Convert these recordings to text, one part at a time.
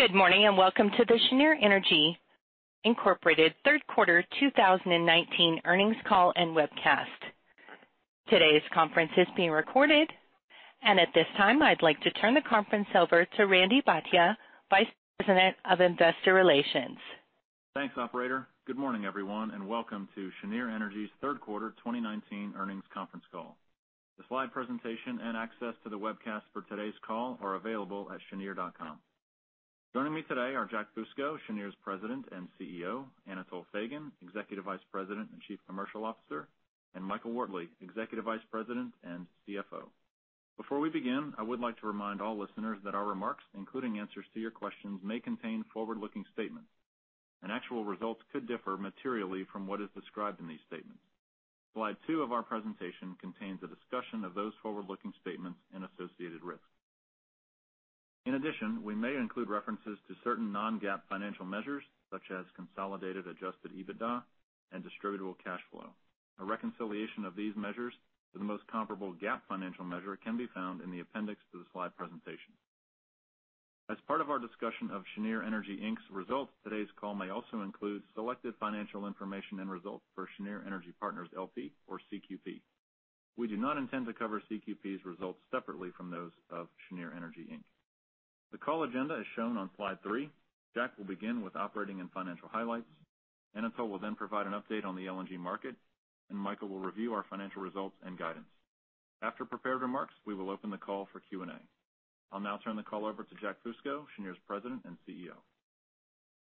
Good morning, and welcome to the Cheniere Energy, Inc. third quarter 2019 earnings call and webcast. Today's conference is being recorded. At this time, I'd like to turn the conference over to Randy Bhatia, Vice President of Investor Relations. Thanks, operator. Good morning, everyone, and welcome to Cheniere Energy's third quarter 2019 earnings conference call. The slide presentation and access to the webcast for today's call are available at cheniere.com. Joining me today are Jack Fusco, Cheniere's President and CEO, Anatol Feygin, Executive Vice President and Chief Commercial Officer, and Michael Wortley, Executive Vice President and CFO. Before we begin, I would like to remind all listeners that our remarks, including answers to your questions, may contain forward-looking statements, and actual results could differ materially from what is described in these statements. Slide two of our presentation contains a discussion of those forward-looking statements and associated risks. In addition, we may include references to certain non-GAAP financial measures, such as consolidated adjusted EBITDA and distributable cash flow. A reconciliation of these measures to the most comparable GAAP financial measure can be found in the appendix to the slide presentation. As part of our discussion of Cheniere Energy, Inc.'s results, today's call may also include selected financial information and results for Cheniere Energy Partners, L.P., or CQP. We do not intend to cover CQP's results separately from those of Cheniere Energy, Inc. The call agenda is shown on slide three. Jack will begin with operating and financial highlights. Anatol will then provide an update on the LNG market, and Michael will review our financial results and guidance. After prepared remarks, we will open the call for Q&A. I'll now turn the call over to Jack Fusco, Cheniere's President and CEO.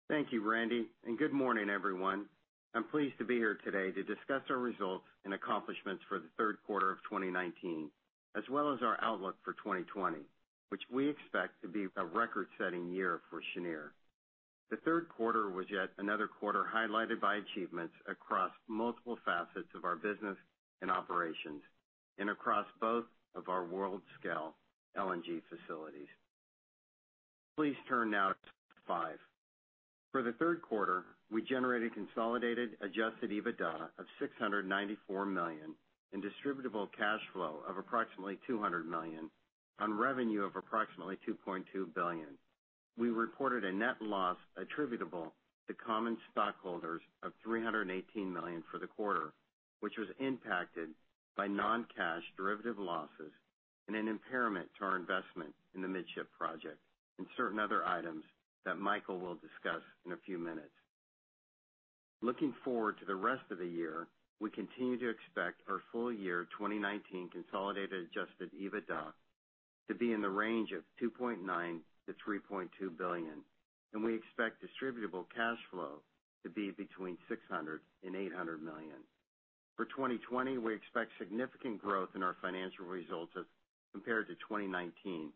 Thank you, Randy. Good morning, everyone. I'm pleased to be here today to discuss our results and accomplishments for the third quarter of 2019, as well as our outlook for 2020, which we expect to be a record-setting year for Cheniere. The third quarter was yet another quarter highlighted by achievements across multiple facets of our business and operations and across both of our world-scale LNG facilities. Please turn now to slide five. For the third quarter, we generated consolidated adjusted EBITDA of $694 million and distributable cash flow of approximately $200 million on revenue of approximately $2.2 billion. We reported a net loss attributable to common stockholders of $318 million for the quarter, which was impacted by non-cash derivative losses and an impairment to our investment in the Midship project and certain other items that Michael will discuss in a few minutes. Looking forward to the rest of the year, we continue to expect our full-year 2019 consolidated adjusted EBITDA to be in the range of $2.9 billion-$3.2 billion, and we expect distributable cash flow to be between $600 million and $800 million. For 2020, we expect significant growth in our financial results as compared to 2019.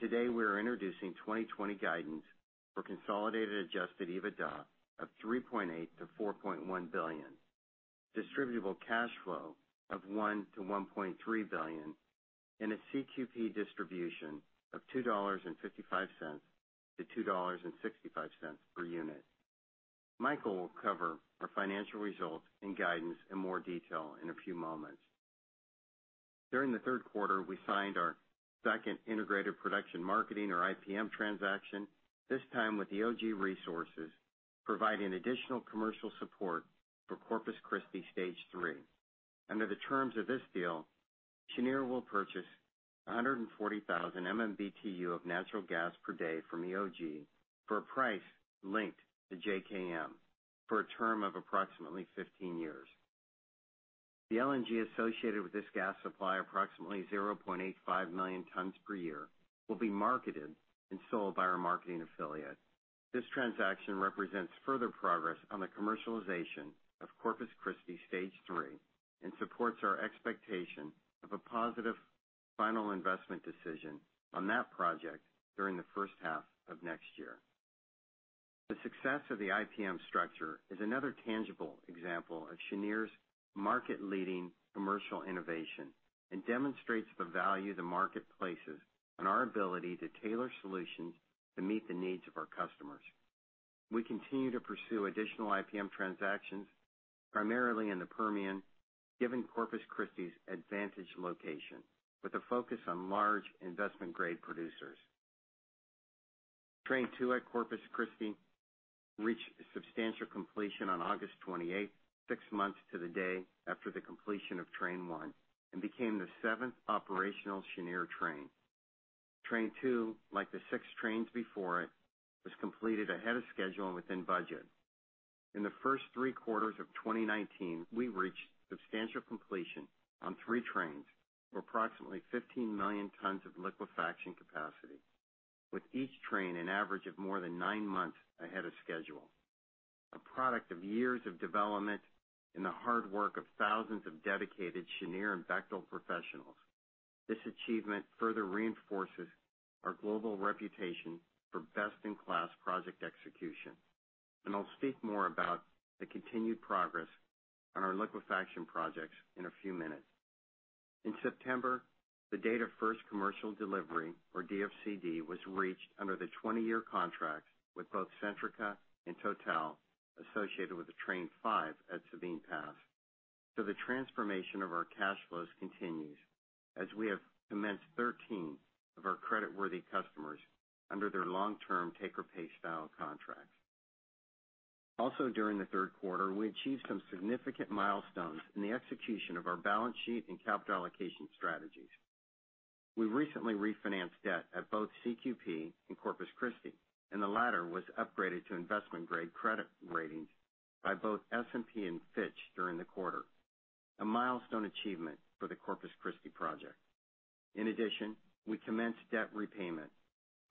Today we are introducing 2020 guidance for consolidated adjusted EBITDA of $3.8 billion-$4.1 billion, distributable cash flow of $1 billion-$1.3 billion, and a CQP distribution of $2.55-$2.65 per unit. Michael will cover our financial results and guidance in more detail in a few moments. During the third quarter, we signed our second integrated production marketing, or IPM, transaction, this time with EOG Resources, providing additional commercial support for Corpus Christi Stage 3. Under the terms of this deal, Cheniere will purchase 140,000 MMBtu of natural gas per day from EOG for a price linked to JKM for a term of approximately 15 years. The LNG associated with this gas supply, approximately 0.85 million tons per year, will be marketed and sold by our marketing affiliate. This transaction represents further progress on the commercialization of Corpus Christi Stage 3 and supports our expectation of a positive final investment decision on that project during the first half of next year. The success of the IPM structure is another tangible example of Cheniere's market-leading commercial innovation and demonstrates the value the market places on our ability to tailor solutions to meet the needs of our customers. We continue to pursue additional IPM transactions, primarily in the Permian, given Corpus Christi's advantage location, with a focus on large investment-grade producers. Train 2 at Corpus Christi reached substantial completion on August 28th, 6 months to the day after the completion of Train 1, and became the seventh operational Cheniere train. Train 2, like the 6 trains before it, was completed ahead of schedule and within budget. In the first 3 quarters of 2019, we reached substantial completion on 3 trains for approximately 15 million tons of liquefaction capacity, with each train an average of more than 9 months ahead of schedule. A product of years of development and the hard work of thousands of dedicated Cheniere and Bechtel professionals. This achievement further reinforces our global reputation for best-in-class project execution. I'll speak more about the continued progress on our liquefaction projects in a few minutes. In September, the date of first commercial delivery, or DFCD, was reached under the 20-year contracts with both Centrica and Total associated with the Train 5 at Sabine Pass. The transformation of our cash flows continues as we have commenced 13 of our credit-worthy customers under their long-term take-or-pay style contracts. Also, during the third quarter, we achieved some significant milestones in the execution of our balance sheet and capital allocation strategies. We recently refinanced debt at both CQP in Corpus Christi, and the latter was upgraded to investment-grade credit ratings by both S&P and Fitch during the quarter, a milestone achievement for the Corpus Christi project. In addition, we commenced debt repayment,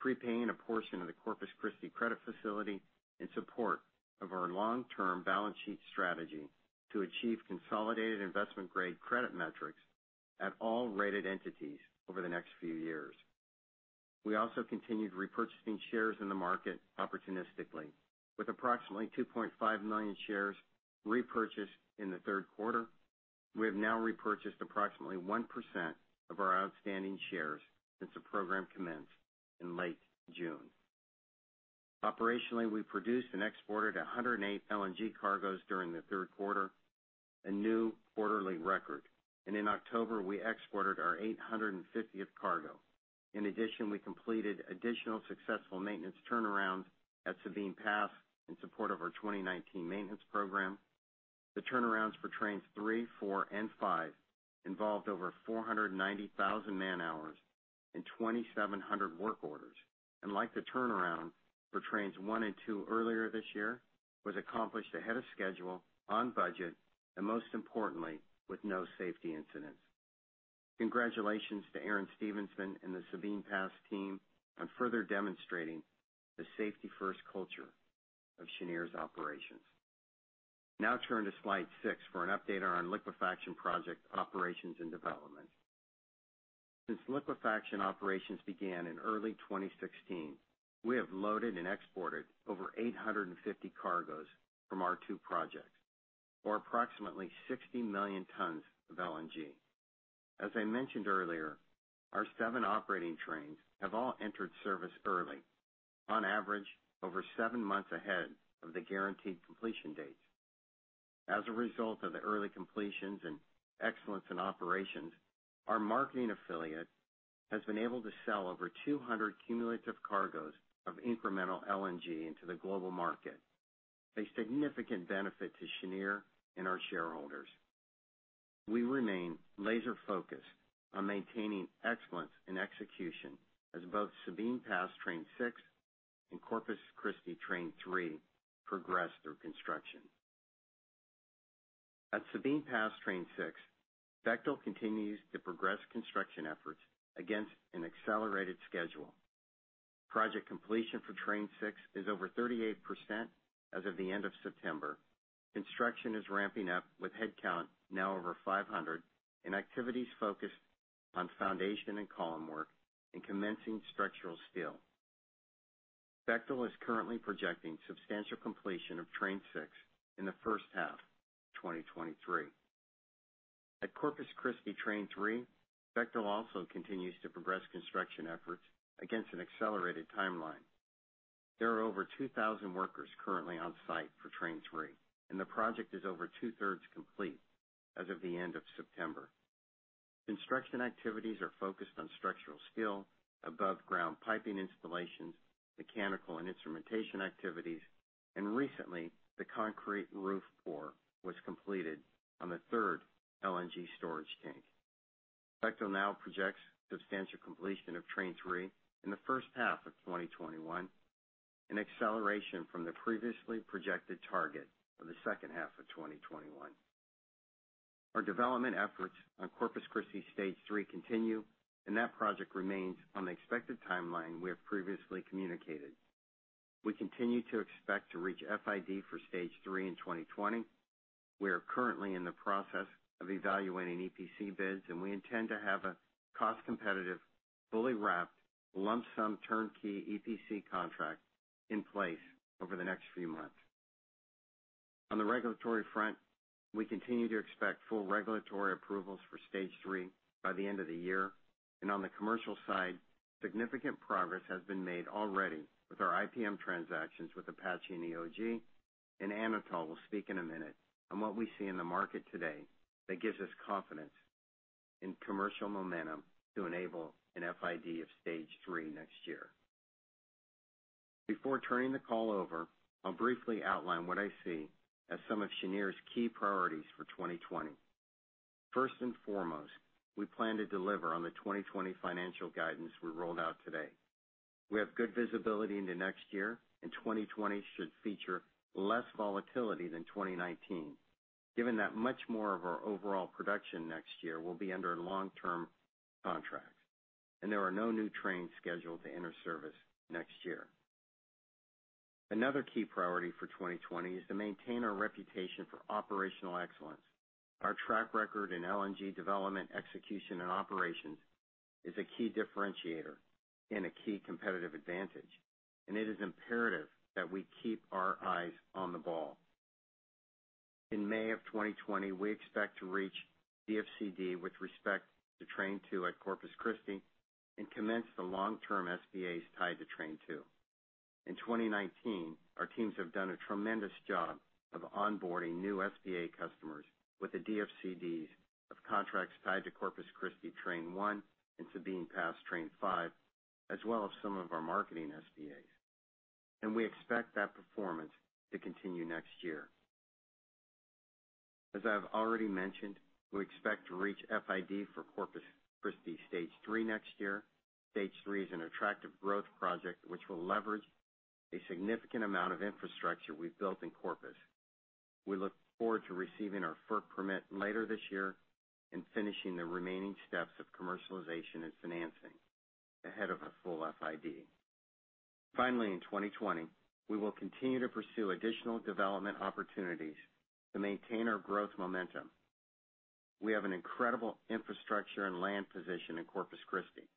prepaying a portion of the Corpus Christi credit facility in support of our long-term balance sheet strategy to achieve consolidated investment-grade credit metrics at all rated entities over the next few years. We also continued repurchasing shares in the market opportunistically, with approximately $2.5 million shares repurchased in the third quarter. We have now repurchased approximately 1% of our outstanding shares since the program commenced in late June. Operationally, we produced and exported 108 LNG cargoes during the third quarter, a new quarterly record. In October, we exported our 850th cargo. In addition, we completed additional successful maintenance turnarounds at Sabine Pass in support of our 2019 maintenance program. The turnarounds for Trains 3, 4, and 5 involved over 490,000 man-hours and 2,700 work orders, and like the turnaround for Trains 1 and 2 earlier this year, was accomplished ahead of schedule, on budget, and most importantly, with no safety incidents. Congratulations to Aaron Stephenson and the Sabine Pass team on further demonstrating the safety-first culture of Cheniere's operations. Now turn to Slide six for an update on our liquefaction project operations and development. Since liquefaction operations began in early 2016, we have loaded and exported over 850 cargoes from our two projects, or approximately 60 million tons of LNG. As I mentioned earlier, our seven operating trains have all entered service early. On average, over seven months ahead of the guaranteed completion dates. As a result of the early completions and excellence in operations, our marketing affiliate has been able to sell over 200 cumulative cargoes of incremental LNG into the global market, a significant benefit to Cheniere and our shareholders. We remain laser-focused on maintaining excellence in execution as both Sabine Pass Train 6 and Corpus Christi Train 3 progress through construction. At Sabine Pass Train 6, Bechtel continues to progress construction efforts against an accelerated schedule. Project completion for Train 6 is over 38% as of the end of September. Construction is ramping up with headcount now over 500, and activities focused on foundation and column work and commencing structural steel. Bechtel is currently projecting substantial completion of Train 6 in the first half of 2023. At Corpus Christi Train 3, Bechtel also continues to progress construction efforts against an accelerated timeline. There are over 2,000 workers currently on site for Train 3, and the project is over two-thirds complete as of the end of September. Construction activities are focused on structural steel, above-ground piping installations, mechanical and instrumentation activities, and recently, the concrete roof pour was completed on the third LNG storage tank. Bechtel now projects substantial completion of Train 3 in the first half of 2021, an acceleration from the previously projected target for the second half of 2021. Our development efforts on Corpus Christi Stage 3 continue, and that project remains on the expected timeline we have previously communicated. We continue to expect to reach FID for Stage 3 in 2020. We are currently in the process of evaluating EPC bids, and we intend to have a cost-competitive, fully wrapped, lump-sum turnkey EPC contract in place over the next few months. On the regulatory front, we continue to expect full regulatory approvals for Stage 3 by the end of the year. On the commercial side, significant progress has been made already with our IPM transactions with Apache and EOG, and Anatol will speak in a minute on what we see in the market today that gives us confidence in commercial momentum to enable an FID of Stage 3 next year. Before turning the call over, I'll briefly outline what I see as some of Cheniere's key priorities for 2020. First and foremost, we plan to deliver on the 2020 financial guidance we rolled out today. We have good visibility into next year, and 2020 should feature less volatility than 2019, given that much more of our overall production next year will be under long-term contracts, and there are no new trains scheduled to enter service next year. Another key priority for 2020 is to maintain our reputation for operational excellence. Our track record in LNG development, execution, and operations is a key differentiator and a key competitive advantage, and it is imperative that we keep our eyes on the ball. In May of 2020, we expect to reach DFCD with respect to Train 2 at Corpus Christi and commence the long-term SPAs tied to Train 2. In 2019, our teams have done a tremendous job of onboarding new SPA customers with the DFCDs of contracts tied to Corpus Christi Train 1 and Sabine Pass Train 5, as well as some of our marketing SPAs. We expect that performance to continue next year. As I've already mentioned, we expect to reach FID for Corpus Christi Stage 3 next year. Stage 3 is an attractive growth project which will leverage a significant amount of infrastructure we've built in Corpus. We look forward to receiving our FERC permit later this year, and finishing the remaining steps of commercialization and financing ahead of a full FID. Finally, in 2020, we will continue to pursue additional development opportunities to maintain our growth momentum. We have an incredible infrastructure and land position in Corpus Christi,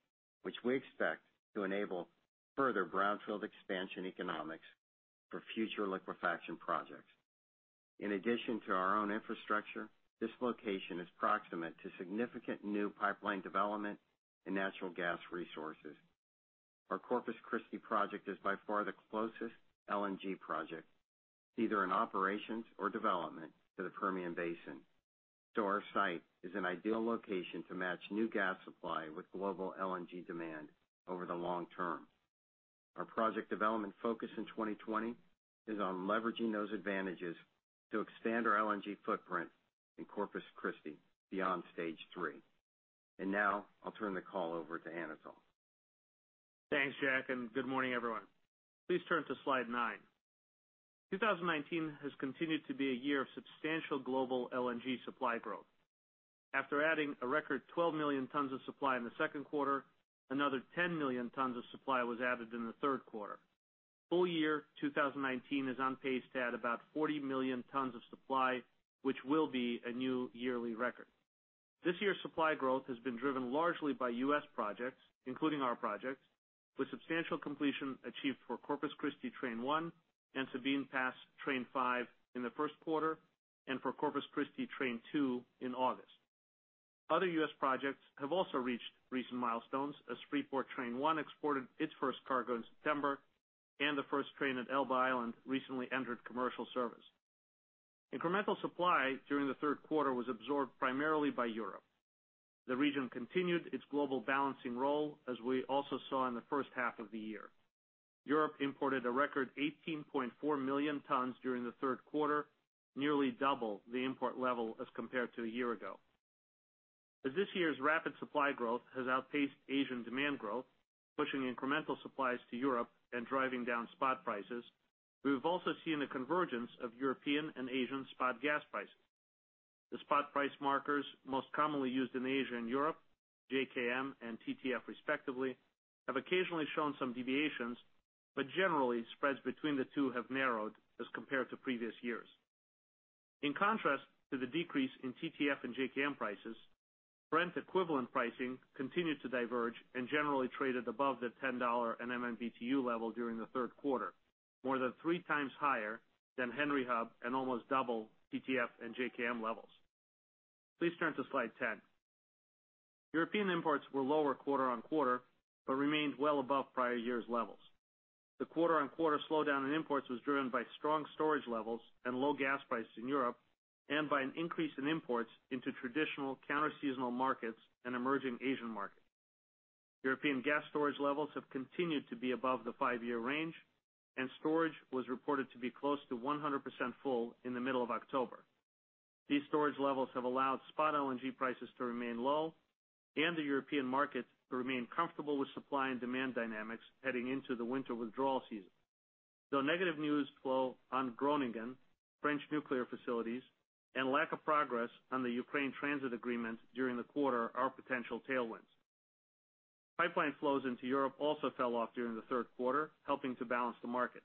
which we expect to enable further brownfield expansion economics for future liquefaction projects. In addition to our own infrastructure, this location is proximate to significant new pipeline development and natural gas resources. Our Corpus Christi project is by far the closest LNG project, either in operations or development, to the Permian Basin. Our site is an ideal location to match new gas supply with global LNG demand over the long term. Our project development focus in 2020 is on leveraging those advantages to expand our LNG footprint in Corpus Christi beyond Stage 3. Now I'll turn the call over to Anatol. Thanks, Jack. Good morning, everyone. Please turn to Slide nine. 2019 has continued to be a year of substantial global LNG supply growth. After adding a record 12 million tons of supply in the second quarter, another 10 million tons of supply was added in the third quarter. Full year 2019 is on pace to add about 40 million tons of supply, which will be a new yearly record. This year's supply growth has been driven largely by U.S. projects, including our projects, with substantial completion achieved for Corpus Christi Train 1 and Sabine Pass Train 5 in the first quarter, and for Corpus Christi Train 2 in August. Other U.S. projects have also reached recent milestones, as Freeport Train 1 exported its first cargo in September, and the first train at Elba Island recently entered commercial service. Incremental supply during the third quarter was absorbed primarily by Europe. The region continued its global balancing role, as we also saw in the first half of the year. Europe imported a record 18.4 million tons during the third quarter, nearly double the import level as compared to a year ago. As this year's rapid supply growth has outpaced Asian demand growth, pushing incremental supplies to Europe and driving down spot prices, we have also seen a convergence of European and Asian spot gas prices. The spot price markers most commonly used in Asia and Europe, JKM and TTF respectively, have occasionally shown some deviations, but generally spreads between the two have narrowed as compared to previous years. In contrast to the decrease in TTF and JKM prices, Brent equivalent pricing continued to diverge and generally traded above the $10 MMBtu level during the third quarter, more than three times higher than Henry Hub and almost double TTF and JKM levels. Please turn to Slide 10. European imports were lower quarter-on-quarter, remained well above prior years' levels. The quarter-on-quarter slowdown in imports was driven by strong storage levels and low gas prices in Europe, by an increase in imports into traditional counter-seasonal markets and emerging Asian markets. European gas storage levels have continued to be above the five-year range, storage was reported to be close to 100% full in the middle of October. These storage levels have allowed spot LNG prices to remain low and the European markets to remain comfortable with supply and demand dynamics heading into the winter withdrawal season. Though negative news flow on Groningen, French nuclear facilities, and lack of progress on the Ukraine transit agreement during the quarter are potential tailwinds. Pipeline flows into Europe also fell off during the third quarter, helping to balance the market.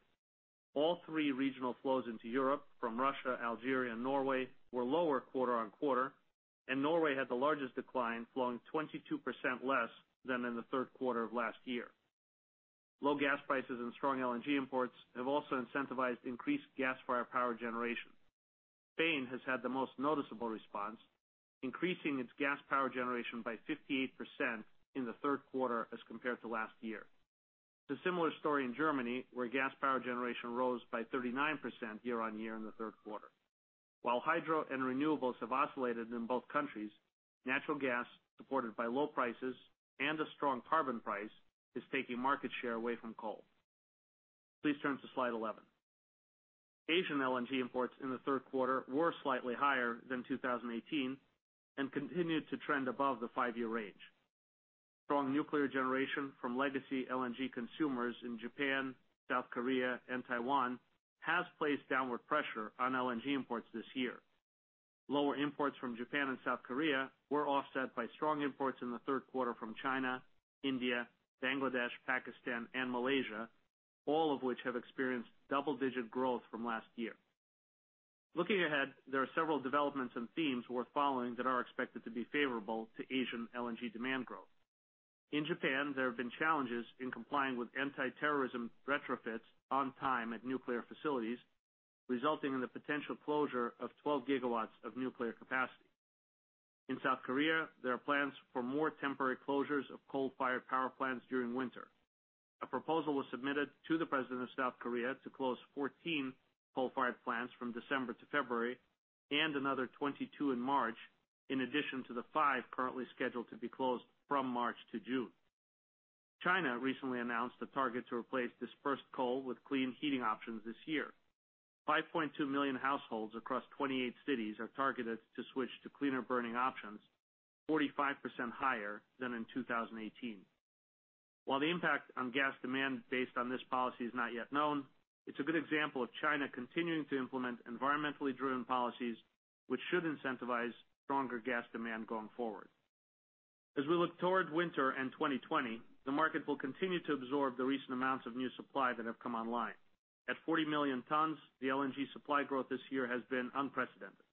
All three regional flows into Europe from Russia, Algeria, and Norway were lower quarter on quarter, and Norway had the largest decline, flowing 22% less than in the third quarter of last year. Low gas prices and strong LNG imports have also incentivized increased gas fire power generation. Spain has had the most noticeable response, increasing its gas power generation by 58% in the third quarter as compared to last year. It's a similar story in Germany, where gas power generation rose by 39% year on year in the third quarter. While hydro and renewables have oscillated in both countries, natural gas, supported by low prices and a strong carbon price, is taking market share away from coal. Please turn to Slide 11. Asian LNG imports in the third quarter were slightly higher than 2018 and continued to trend above the five-year range. Strong nuclear generation from legacy LNG consumers in Japan, South Korea, and Taiwan has placed downward pressure on LNG imports this year. Lower imports from Japan and South Korea were offset by strong imports in the third quarter from China, India, Bangladesh, Pakistan, and Malaysia, all of which have experienced double-digit growth from last year. Looking ahead, there are several developments and themes we're following that are expected to be favorable to Asian LNG demand growth. In Japan, there have been challenges in complying with anti-terrorism retrofits on time at nuclear facilities, resulting in the potential closure of 12 gigawatts of nuclear capacity. In South Korea, there are plans for more temporary closures of coal-fired power plants during winter. A proposal was submitted to the president of South Korea to close 14 coal-fired plants from December to February, and another 22 in March, in addition to the five currently scheduled to be closed from March to June. China recently announced a target to replace dispersed coal with clean heating options this year. 5.2 million households across 28 cities are targeted to switch to cleaner-burning options, 45% higher than in 2018. While the impact on gas demand based on this policy is not yet known, it's a good example of China continuing to implement environmentally driven policies, which should incentivize stronger gas demand going forward. As we look toward winter and 2020, the market will continue to absorb the recent amounts of new supply that have come online. At 40 million tons, the LNG supply growth this year has been unprecedented.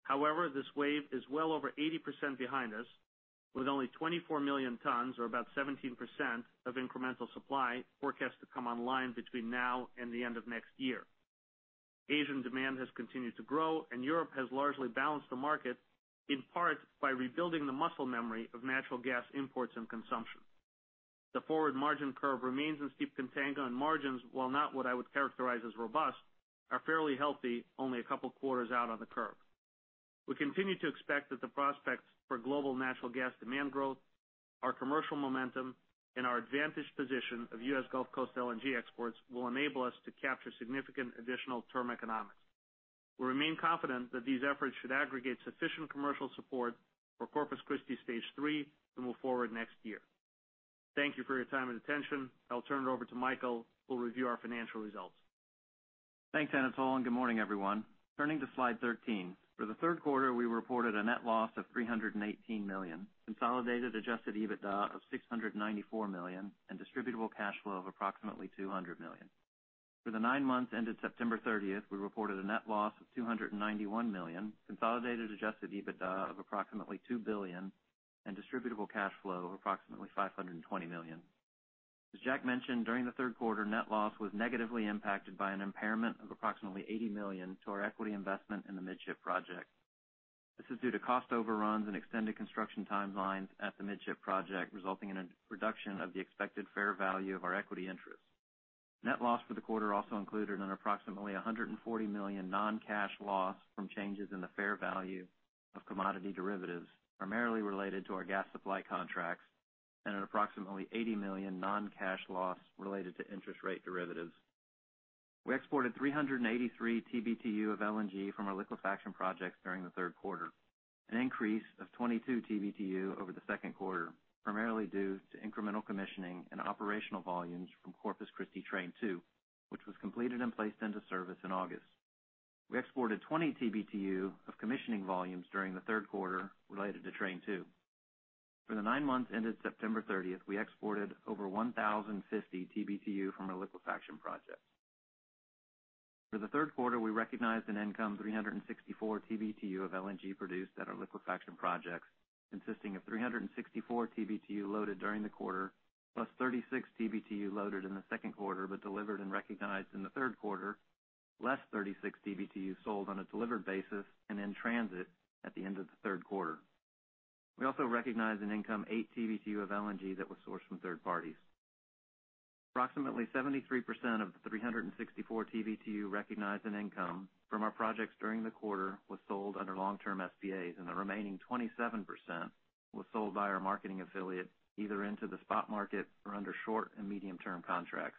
However, this wave is well over 80% behind us, with only 24 million tons, or about 17% of incremental supply forecast to come online between now and the end of next year. Asian demand has continued to grow. Europe has largely balanced the market, in part, by rebuilding the muscle memory of natural gas imports and consumption. The forward margin curve remains in steep contango. Margins, while not what I would characterize as robust, are fairly healthy only a couple quarters out on the curve. We continue to expect that the prospects for global natural gas demand growth, our commercial momentum, and our advantaged position of U.S. Gulf Coast LNG exports will enable us to capture significant additional term economics. We remain confident that these efforts should aggregate sufficient commercial support for Corpus Christi Stage 3 to move forward next year. Thank you for your time and attention. I'll turn it over to Michael, who will review our financial results. Thanks, Anatol, and good morning, everyone. Turning to slide 13. For the third quarter, we reported a net loss of $318 million, consolidated adjusted EBITDA of $694 million, and distributable cash flow of approximately $200 million. For the nine months ended September 30th, we reported a net loss of $291 million, consolidated adjusted EBITDA of approximately $2 billion, and distributable cash flow of approximately $520 million. As Jack mentioned, during the third quarter, net loss was negatively impacted by an impairment of approximately $80 million to our equity investment in the Midship project. This is due to cost overruns and extended construction timelines at the Midship project, resulting in a reduction of the expected fair value of our equity interest. Net loss for the quarter also included an approximately $140 million non-cash loss from changes in the fair value of commodity derivatives, primarily related to our gas supply contracts, and an approximately $80 million non-cash loss related to interest rate derivatives. We exported 383 TBtu of LNG from our liquefaction projects during the third quarter, an increase of 22 TBtu over the second quarter, primarily due to incremental commissioning and operational volumes from Corpus Christi Train 2, which was completed and placed into service in August. We exported 20 TBtu of commissioning volumes during the third quarter related to Train 2. For the nine months ended September 30th, we exported over 1,050 TBtu from our liquefaction projects. For the third quarter, we recognized an income 364 TBtu of LNG produced at our liquefaction projects, consisting of 364 TBtu loaded during the quarter, plus 36 TBtu loaded in the second quarter, but delivered and recognized in the third quarter, less 36 TBtu sold on a delivered basis and in transit at the end of the third quarter. We also recognized an income eight TBtu of LNG that was sourced from third parties. Approximately 73% of the 364 TBtu recognized in income from our projects during the quarter was sold under long-term SPAs, the remaining 27% was sold by our marketing affiliate, either into the spot market or under short- and medium-term contracts.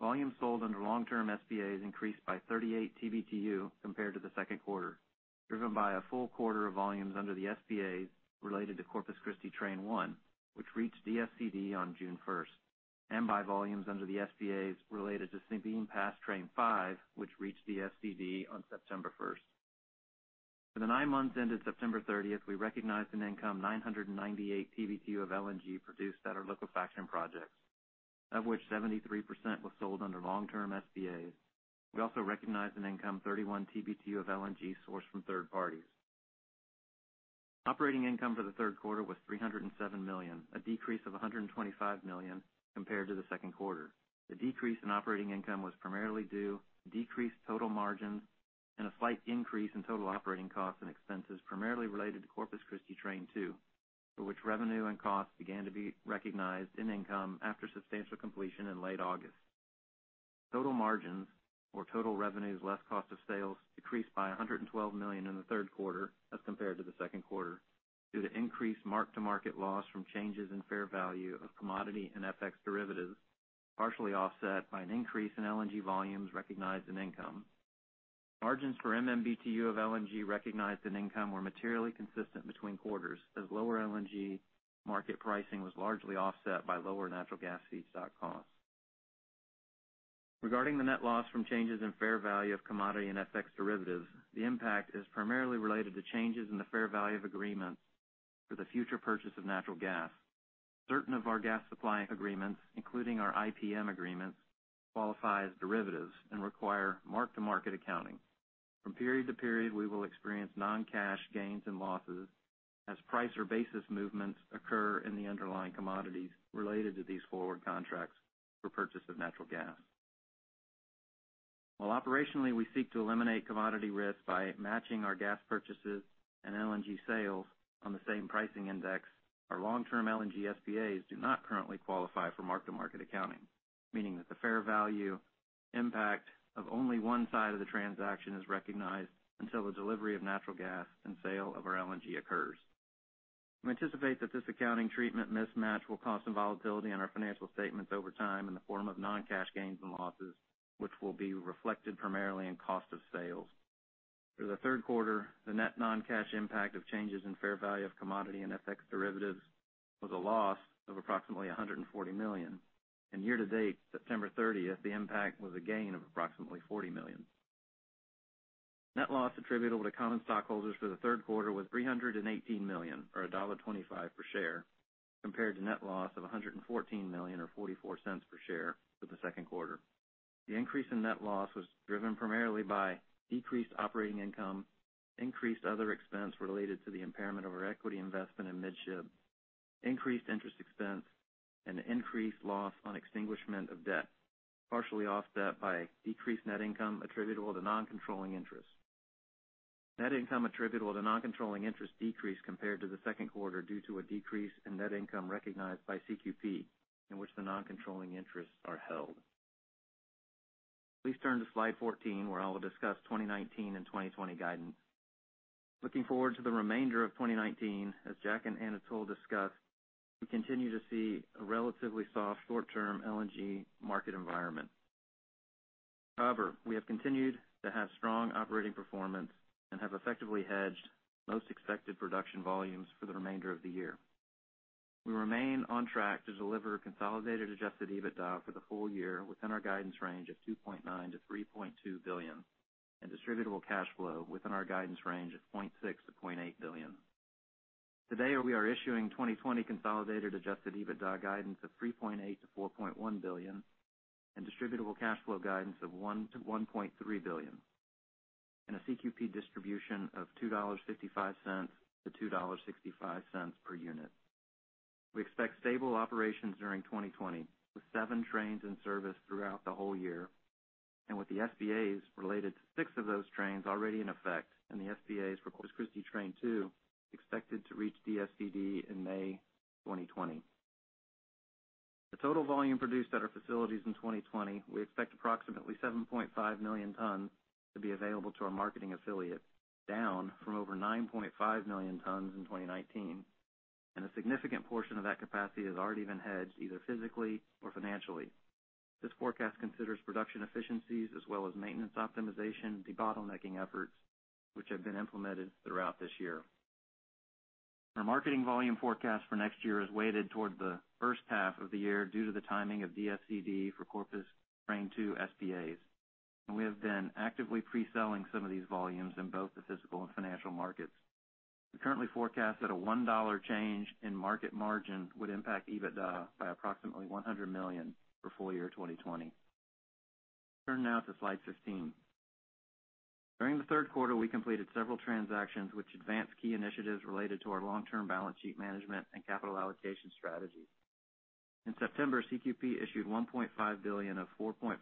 Volumes sold under long-term SPAs increased by 38 TBtu compared to the 2nd quarter, driven by a full quarter of volumes under the SPAs related to Corpus Christi Train 1, which reached DFCD on June 1st, and by volumes under the SPAs related to Sabine Pass Train 5, which reached DFCD on September 1st. For the nine months ended September 30th, we recognized an income 998 TBtu of LNG produced at our liquefaction projects, of which 73% was sold under long-term SPAs. We also recognized an income 31 TBtu of LNG sourced from third parties. Operating income for the 3rd quarter was $307 million, a decrease of $125 million compared to the 2nd quarter. The decrease in operating income was primarily due to decreased total margins and a slight increase in total operating costs and expenses, primarily related to Corpus Christi Train 2, for which revenue and costs began to be recognized in income after substantial completion in late August. Total margins or total revenues less cost of sales decreased by $112 million in the third quarter as compared to the second quarter due to increased mark-to-market loss from changes in fair value of commodity and FX derivatives, partially offset by an increase in LNG volumes recognized in income. Margins for MMBtu of LNG recognized in income were materially consistent between quarters as lower LNG market pricing was largely offset by lower natural gas feedstock costs. Regarding the net loss from changes in fair value of commodity and FX derivatives, the impact is primarily related to changes in the fair value of agreements for the future purchase of natural gas. Certain of our gas supply agreements, including our IPM agreements, qualify as derivatives and require mark-to-market accounting. From period to period, we will experience non-cash gains and losses as price or basis movements occur in the underlying commodities related to these forward contracts for purchase of natural gas. While operationally, we seek to eliminate commodity risk by matching our gas purchases and LNG sales on the same pricing index, our long-term LNG SPAs do not currently qualify for mark-to-market accounting, meaning that the fair value impact of only one side of the transaction is recognized until the delivery of natural gas and sale of our LNG occurs. We anticipate that this accounting treatment mismatch will cause some volatility in our financial statements over time in the form of non-cash gains and losses, which will be reflected primarily in cost of sales. For the third quarter, the net non-cash impact of changes in fair value of commodity and FX derivatives was a loss of approximately $140 million. Year to date, September 30th, the impact was a gain of approximately $40 million. Net loss attributable to common stockholders for the third quarter was $318 million, or $1.25 per share, compared to net loss of $114 million, or $0.44 per share for the second quarter. The increase in net loss was driven primarily by decreased operating income, increased other expense related to the impairment of our equity investment in Midship, increased interest expense, and increased loss on extinguishment of debt, partially offset by decreased net income attributable to non-controlling interests. Net income attributable to non-controlling interests decreased compared to the second quarter due to a decrease in net income recognized by CQP, in which the non-controlling interests are held. Please turn to slide 14, where I will discuss 2019 and 2020 guidance. Looking forward to the remainder of 2019, as Jack and Anatol discussed, we continue to see a relatively soft short-term LNG market environment. We have continued to have strong operating performance and have effectively hedged most expected production volumes for the remainder of the year. We remain on track to deliver consolidated adjusted EBITDA for the full year within our guidance range of $2.9 billion-$3.2 billion and distributable cash flow within our guidance range of $0.6 billion-$0.8 billion. Today, we are issuing 2020 consolidated adjusted EBITDA guidance of $3.8 billion-$4.1 billion and distributable cash flow guidance of $1 billion-$1.3 billion, and a CQP distribution of $2.55-$2.65 per unit. We expect stable operations during 2020, with 7 trains in service throughout the whole year, and with the SPAs related to 6 of those trains already in effect, and the SPAs for Corpus Christi Train 2 expected to reach DFCD in May 2020. The total volume produced at our facilities in 2020, we expect approximately 7.5 million tons to be available to our marketing affiliate, down from over 9.5 million tons in 2019, and a significant portion of that capacity is already been hedged either physically or financially. This forecast considers production efficiencies as well as maintenance optimization de-bottlenecking efforts, which have been implemented throughout this year. Our marketing volume forecast for next year is weighted toward the first half of the year due to the timing of DFCD for Corpus Train 2 SPAs, and we have been actively pre-selling some of these volumes in both the physical and financial markets. We currently forecast that a $1 change in market margin would impact EBITDA by approximately $100 million for full year 2020. Turn now to slide 15. During the third quarter, we completed several transactions which advanced key initiatives related to our long-term balance sheet management and capital allocation strategies. In September, CQP issued $1.5 billion of 4.5%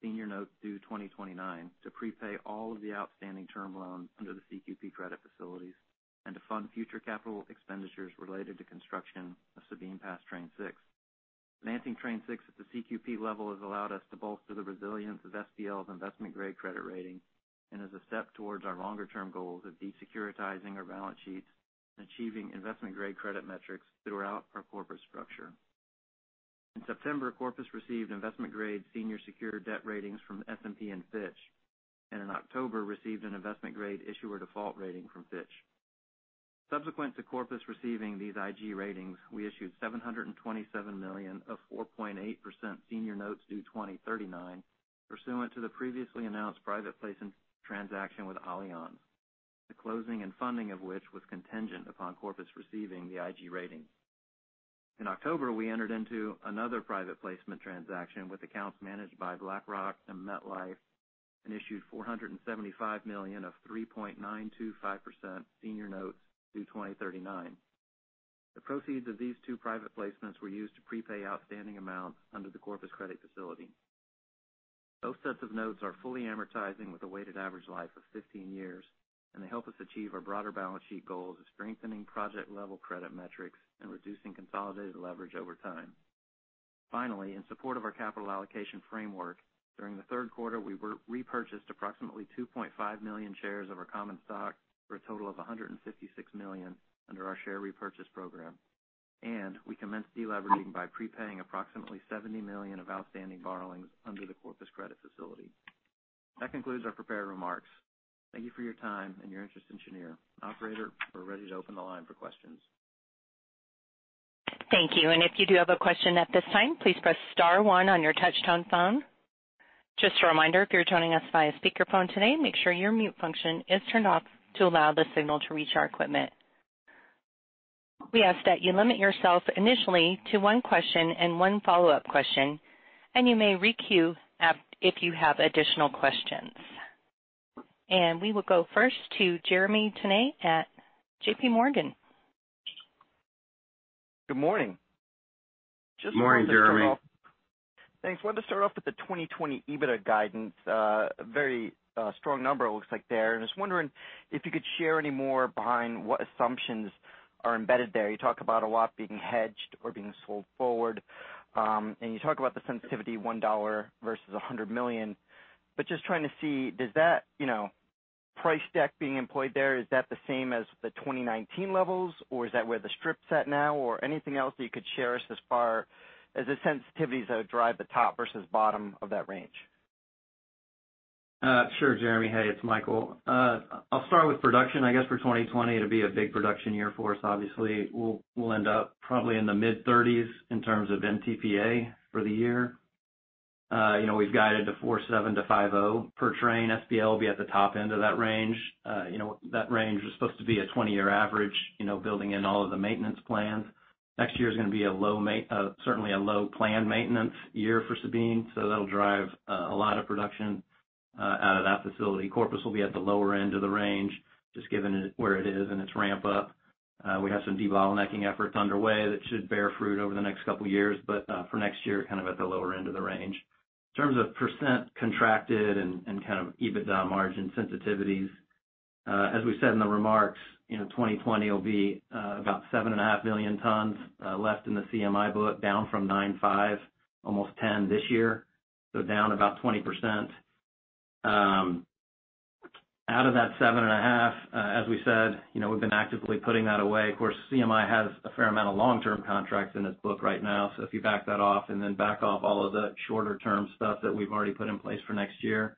senior notes due 2029 to prepay all of the outstanding term loans under the CQP credit facilities and to fund future capital expenditures related to construction of Sabine Pass Train 6. Financing Train 6 at the CQP level has allowed us to bolster the resilience of SPL's investment-grade credit rating and is a step towards our longer-term goals of desecuritizing our balance sheets and achieving investment-grade credit metrics throughout our corporate structure. In September, Corpus received investment-grade senior secured debt ratings from S&P and Fitch, and in October, received an investment-grade issuer default rating from Fitch. Subsequent to Corpus receiving these IG ratings, we issued $727 million of 4.8% senior notes due 2039 pursuant to the previously announced private placement transaction with Allianz, the closing and funding of which was contingent upon Corpus receiving the IG rating. In October, we entered into another private placement transaction with accounts managed by BlackRock and MetLife and issued $475 million of 3.925% senior notes due 2039. The proceeds of these two private placements were used to prepay outstanding amounts under the Corpus credit facility. Both sets of notes are fully amortizing with a weighted average life of 15 years. They help us achieve our broader balance sheet goals of strengthening project-level credit metrics and reducing consolidated leverage over time. Finally, in support of our capital allocation framework, during the third quarter, we repurchased approximately 2.5 million shares of our common stock for a total of $156 million under our share repurchase program. We commenced de-leveraging by prepaying approximately $70 million of outstanding borrowings under the Corpus credit facility. That concludes our prepared remarks. Thank you for your time and your interest in Cheniere. Operator, we're ready to open the line for questions. Thank you. If you do have a question at this time, please press star one on your touch-tone phone. Just a reminder, if you're joining us via speakerphone today, make sure your mute function is turned off to allow the signal to reach our equipment. We ask that you limit yourself initially to one question and one follow-up question, you may re-queue if you have additional questions. We will go first to Jeremy Tonet at JPMorgan. Good morning. Morning, Jeremy. Thanks. Wanted to start off with the 2020 EBITDA guidance. A very strong number it looks like there. I was wondering if you could share any more behind what assumptions are embedded there. You talk about a lot being hedged or being sold forward, and you talk about the sensitivity $1 versus $100 million, but just trying to see, does that price deck being employed there, is that the same as the 2019 levels, or is that where the strip's at now? Anything else that you could share us as far as the sensitivities that would drive the top versus bottom of that range? Sure, Jeremy. Hey, it's Michael. I'll start with production. I guess for 2020, it'll be a big production year for us. Obviously, we'll end up probably in the mid-30s in terms of MTPA for the year. We've guided to 4.7-5.0 per train. SPL will be at the top end of that range. That range is supposed to be a 20-year average, building in all of the maintenance plans. Next year is going to be certainly a low-planned maintenance year for Sabine, that'll drive a lot of production out of that facility. Corpus will be at the lower end of the range, just given where it is in its ramp-up. We have some debottlenecking efforts underway that should bear fruit over the next couple of years. For next year, kind of at the lower end of the range. In terms of % contracted and kind of EBITDA margin sensitivities, as we said in the remarks, 2020 will be about 7.5 million tons left in the CMI book, down from 9.5, almost 10 this year. Down about 20%. Out of that 7.5, as we said, we've been actively putting that away. Of course, CMI has a fair amount of long-term contracts in its book right now. If you back that off and then back off all of the shorter-term stuff that we've already put in place for next year,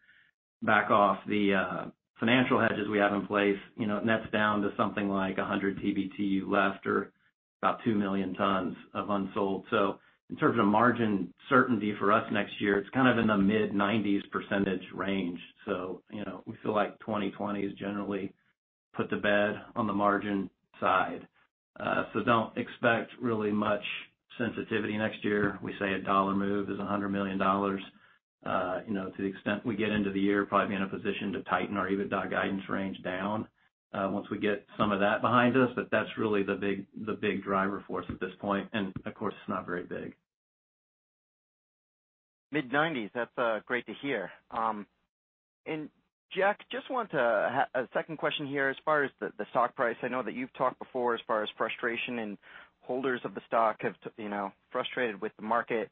back off the financial hedges we have in place, that's down to something like 100 TBtu left or about 2 million tons of unsold. In terms of margin certainty for us next year, it's kind of in the mid-90s % range. We feel like 2020 is generally put to bed on the margin side. Don't expect really much sensitivity next year. We say a dollar move is $100 million. To the extent we get into the year, probably be in a position to tighten our EBITDA guidance range down once we get some of that behind us. That's really the big driver for us at this point, and of course, it's not very big. mid-90s, that's great to hear. Jack, I just want a second question here as far as the stock price. I know that you've talked before as far as frustration and holders of the stock frustrated with the market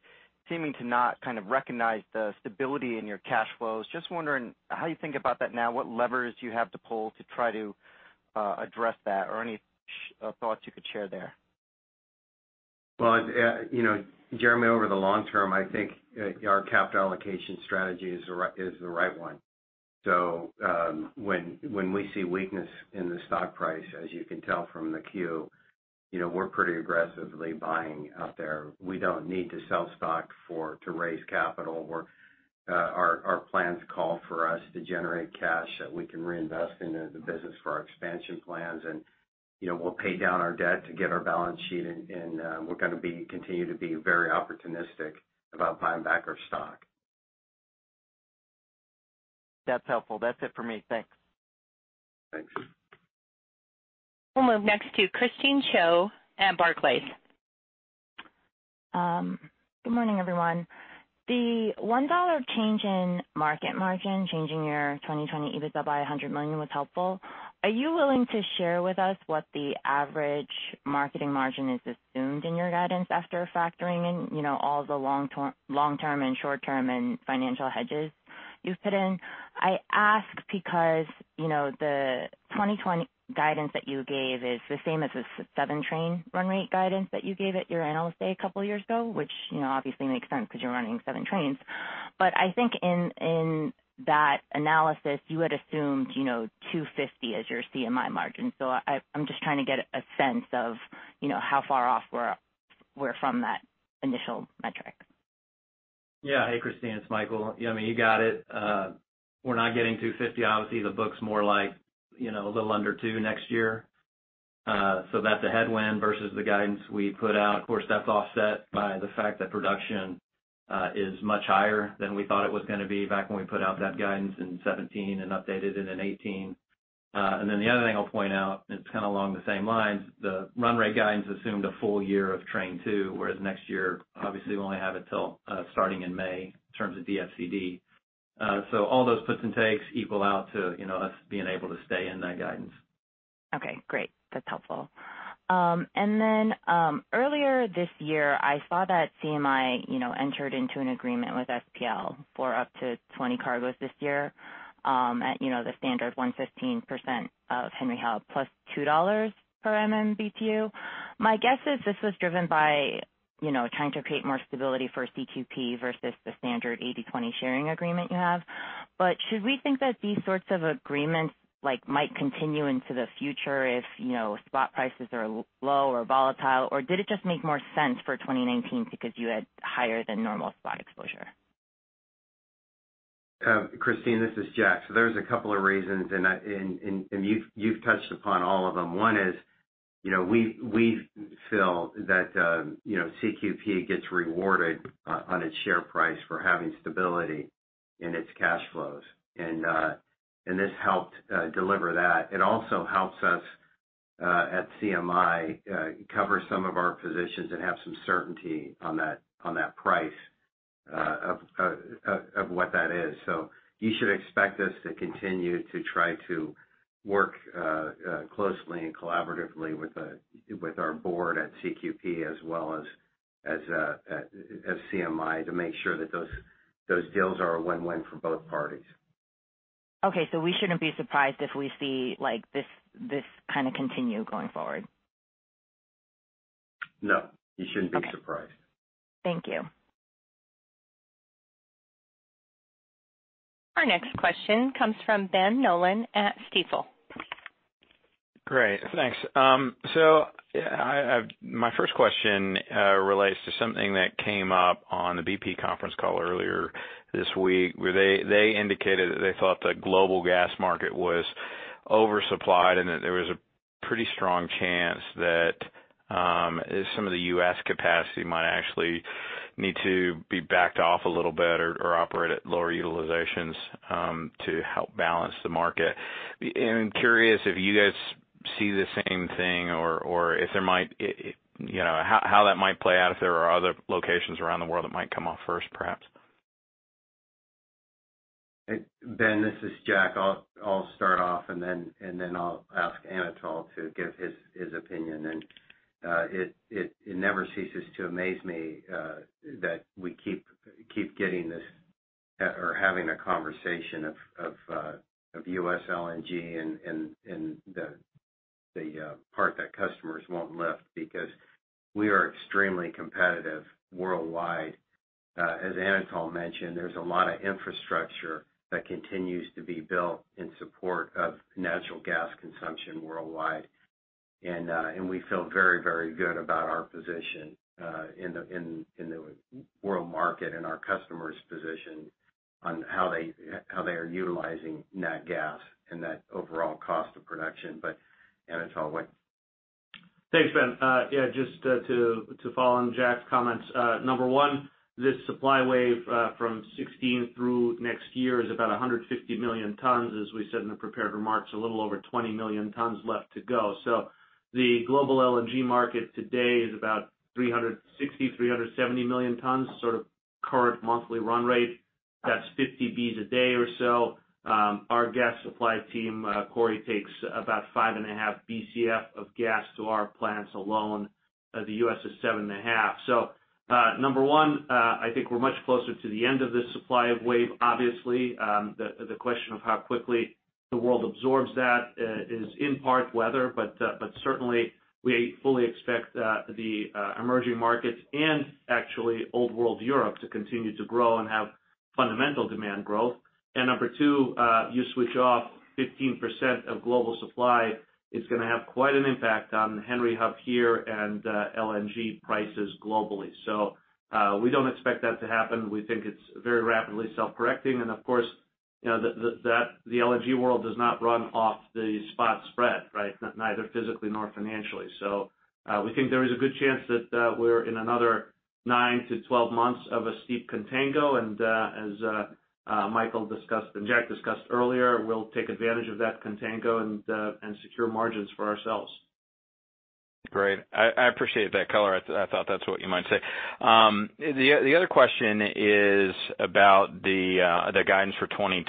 seeming to not kind of recognize the stability in your cash flows. I'm just wondering how you think about that now, what levers do you have to pull to try to address that or any thoughts you could share there? Well, Jeremy, over the long term, I think our capital allocation strategy is the right one. When we see weakness in the stock price, as you can tell from the Q, we're pretty aggressively buying out there. We don't need to sell stock to raise capital. Our plans call for us to generate cash that we can reinvest into the business for our expansion plans, and we'll pay down our debt to get our balance sheet, and we're going to continue to be very opportunistic about buying back our stock. That's helpful. That's it for me. Thanks. Thanks. We'll move next to Christine Cho at Barclays. Good morning, everyone. The $1 change in market margin changing your 2020 EBITDA by $100 million was helpful. Are you willing to share with us what the average marketing margin is assumed in your guidance after factoring in all the long-term and short-term and financial hedges you've put in? I ask because the 2020 guidance that you gave is the same as the seven-train run rate guidance that you gave at your analyst day a couple of years ago, which obviously makes sense because you're running seven trains. I think in that analysis, you had assumed 250 as your CMI margin. I'm just trying to get a sense of how far off we're from that initial metric. Yeah. Hey, Christine, it's Michael. You got it. We're not getting 250. Obviously, the book's more like a little under two next year. That's a headwind versus the guidance we put out. Of course, that's offset by the fact that production is much higher than we thought it was going to be back when we put out that guidance in 2017 and updated it in 2018. The other thing I'll point out, and it's kind of along the same lines, the run rate guidance assumed a full year of train 2, whereas next year, obviously, we only have it till starting in May in terms of DFCD. All those puts and takes equal out to us being able to stay in that guidance. Okay, great. That's helpful. Earlier this year, I saw that CMI entered into an agreement with SPL for up to 20 cargoes this year at the standard 115% of Henry Hub plus $2 per MMBtu. My guess is this was driven by trying to create more stability for CQP versus the standard 80-20 sharing agreement you have. Should we think that these sorts of agreements might continue into the future if spot prices are low or volatile, or did it just make more sense for 2019 because you had higher than normal spot exposure? Christine, this is Jack. There's two reasons, and you've touched upon all of them. One is, we feel that CQP gets rewarded on its share price for having stability in its cash flows. This helped deliver that. It also helps us at CMI cover some of our positions and have some certainty on that price of what that is. You should expect us to continue to try to work closely and collaboratively with our board at CQP as well as CMI to make sure that those deals are a win-win for both parties. Okay. We shouldn't be surprised if we see this kind of continue going forward? No, you shouldn't be surprised. Okay. Thank you. Our next question comes from Ben Nolan at Stifel. Great. Thanks. My first question relates to something that came up on the BP conference call earlier this week, where they indicated that they thought the global gas market was oversupplied, and that there was a pretty strong chance that some of the U.S. capacity might actually need to be backed off a little bit or operate at lower utilizations to help balance the market. I'm curious if you guys see the same thing or how that might play out if there are other locations around the world that might come off first, perhaps. Ben, this is Jack. I'll start off, and then I'll ask Anatol to give his opinion. It never ceases to amaze me that we keep getting this or having a conversation of U.S. LNG and the part that customers won't lift because we are extremely competitive worldwide. As Anatol mentioned, there's a lot of infrastructure that continues to be built in support of natural gas consumption worldwide. We feel very, very good about our position in the world market and our customers' position on how they are utilizing nat gas and that overall cost of production. Anatol, what? Thanks, Ben. Yeah, just to follow on Jack's comments. Number one, this supply wave from 2016 through next year is about 150 million tons, as we said in the prepared remarks, a little over 20 million tons left to go. The global LNG market today is about 360, 370 million tons, sort of current monthly run rate. That's 50 Bcf a day or so. Our gas supply team, Corey, takes about 5.5 Bcf of gas to our plants alone. The U.S. is 7.5 Bcf. Number one, I think we're much closer to the end of this supply wave, obviously. The question of how quickly the world absorbs that is in part weather, but certainly we fully expect the emerging markets and actually Old World Europe to continue to grow and have fundamental demand growth. Number 2, you switch off 15% of global supply, it's going to have quite an impact on Henry Hub here and LNG prices globally. We don't expect that to happen. We think it's very rapidly self-correcting. Of course the LNG world does not run off the spot spread, right? Neither physically nor financially. We think there is a good chance that we're in another nine to 12 months of a steep contango. As Michael discussed and Jack discussed earlier, we'll take advantage of that contango and secure margins for ourselves. Great. I appreciate that color. I thought that's what you might say. The other question is about the guidance for 2020.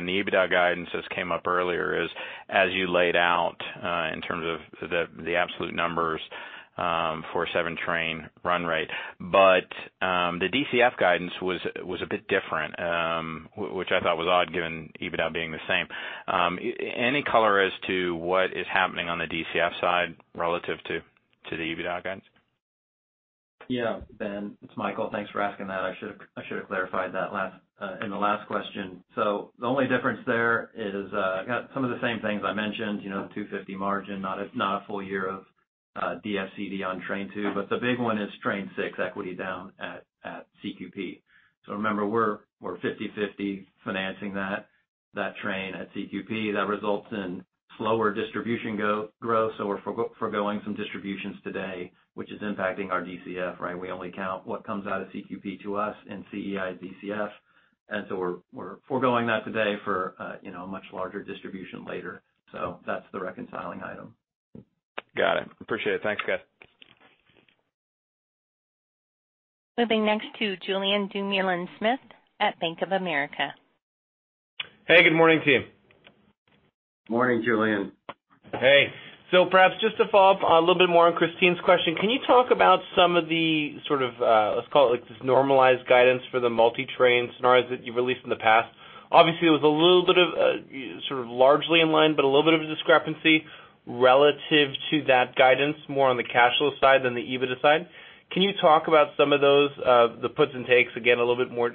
The EBITDA guidance just came up earlier as you laid out in terms of the absolute numbers for 7-train run rate. The DCF guidance was a bit different, which I thought was odd given EBITDA being the same. Any color as to what is happening on the DCF side relative to the EBITDA guidance? Ben, it's Michael. Thanks for asking that. I should've clarified that in the last question. The only difference there is some of the same things I mentioned, 250 margin, not a full year of DFCD on train 2, but the big one is train 6 equity down at CQP. Remember, we're 50/50 financing that train at CQP. That results in slower distribution growth. We're foregoing some distributions today, which is impacting our DCF, right? We only count what comes out of CQP to us and CEI DCF. We're foregoing that today for a much larger distribution later. That's the reconciling item. Got it. Appreciate it. Thanks, guys. Moving next to Julien Dumoulin-Smith at Bank of America. Hey, good morning, team. Morning, Julien. Hey. Perhaps just to follow up a little bit more on Christine's question, can you talk about some of the sort of let's call it like this normalized guidance for the multi-train scenarios that you've released in the past? Obviously, it was a little bit of sort of largely in line, but a little bit of a discrepancy relative to that guidance, more on the cash flow side than the EBITDA side. Can you talk about some of those, the puts and takes again a little bit more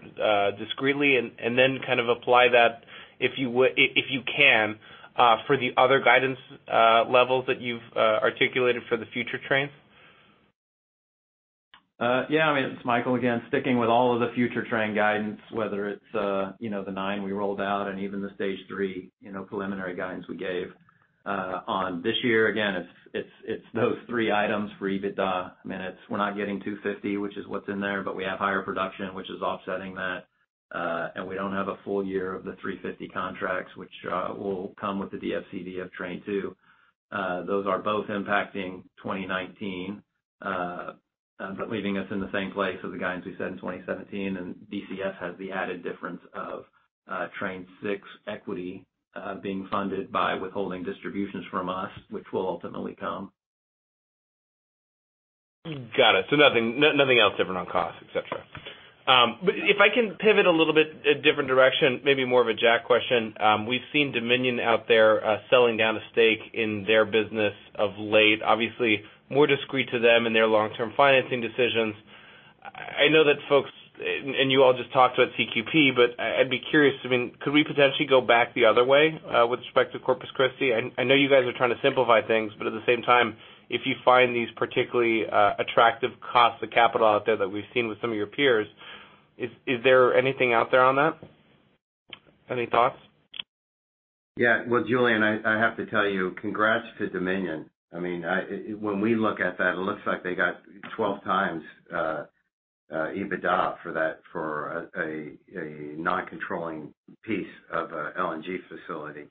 discreetly, and then kind of apply that if you can for the other guidance levels that you've articulated for the future trains? Yeah. I mean, it's Michael again. Sticking with all of the future train guidance, whether it's the nine we rolled out and even the stage 3 preliminary guidance we gave. On this year, again, it's those three items for EBITDA. I mean, we're not getting $250, which is what's in there, we have higher production, which is offsetting that. We don't have a full year of the $350 contracts, which will come with the DFCD of Train 2. Those are both impacting 2019, leaving us in the same place as the guidance we said in 2017. DCF has the added difference of Train 6 equity being funded by withholding distributions from us, which will ultimately come. Got it. Nothing else different on cost, et cetera. If I can pivot a little bit a different direction, maybe more of a Jack question. We've seen Dominion out there selling down a stake in their business of late, obviously more discreet to them and their long-term financing decisions. I know that folks, and you all just talked about CQP, but I'd be curious, could we potentially go back the other way with respect to Corpus Christi? I know you guys are trying to simplify things, but at the same time, if you find these particularly attractive costs of capital out there that we've seen with some of your peers, is there anything out there on that? Any thoughts? Well, Julien, I have to tell you, congrats to Dominion. When we look at that, it looks like they got 12 times EBITDA for a non-controlling piece of a LNG facility,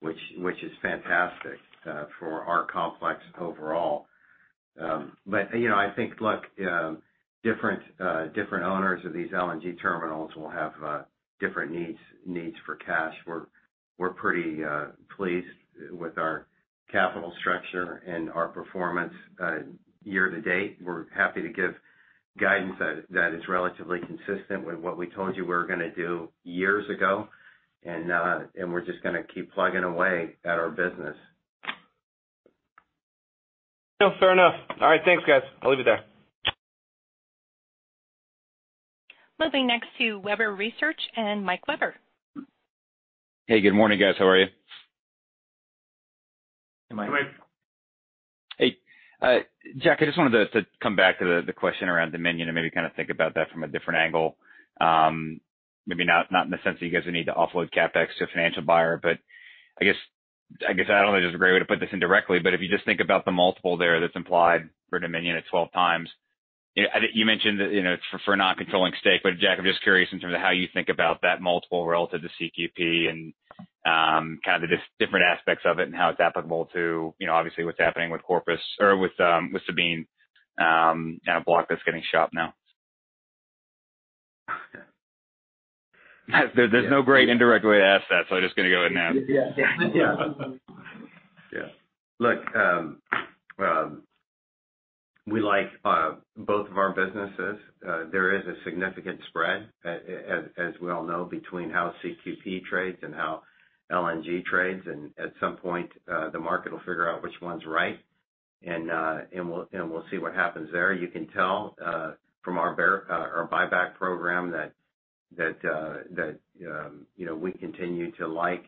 which is fantastic for our complex overall. I think different owners of these LNG terminals will have different needs for cash. We're pretty pleased with our capital structure and our performance year to date. We're happy to give guidance that is relatively consistent with what we told you we were going to do years ago. We're just going to keep plugging away at our business. No, fair enough. All right. Thanks, guys. I'll leave it there. Moving next to Webber Research and Michael Webber. Hey, good morning, guys. How are you? Hey, Mike. Hey, Mike. Hey. Jack, I just wanted to come back to the question around Dominion and maybe kind of think about that from a different angle. Maybe not in the sense that you guys need to offload CapEx to a financial buyer, but I guess I don't think there's a great way to put this indirectly, but if you just think about the multiple there that's implied for Dominion at 12x. You mentioned that for a non-controlling stake. Jack, I'm just curious in terms of how you think about that multiple relative to CQP and kind of the different aspects of it and how it's applicable to obviously what's happening with Corpus or with Sabine and a block that's getting shopped now. There's no great indirect way to ask that. I'm just going to go in now. Look, we like both of our businesses. There is a significant spread, as we all know, between how CQP trades and how LNG trades. At some point, the market will figure out which one's right, and we'll see what happens there. You can tell from our buyback program that we continue to like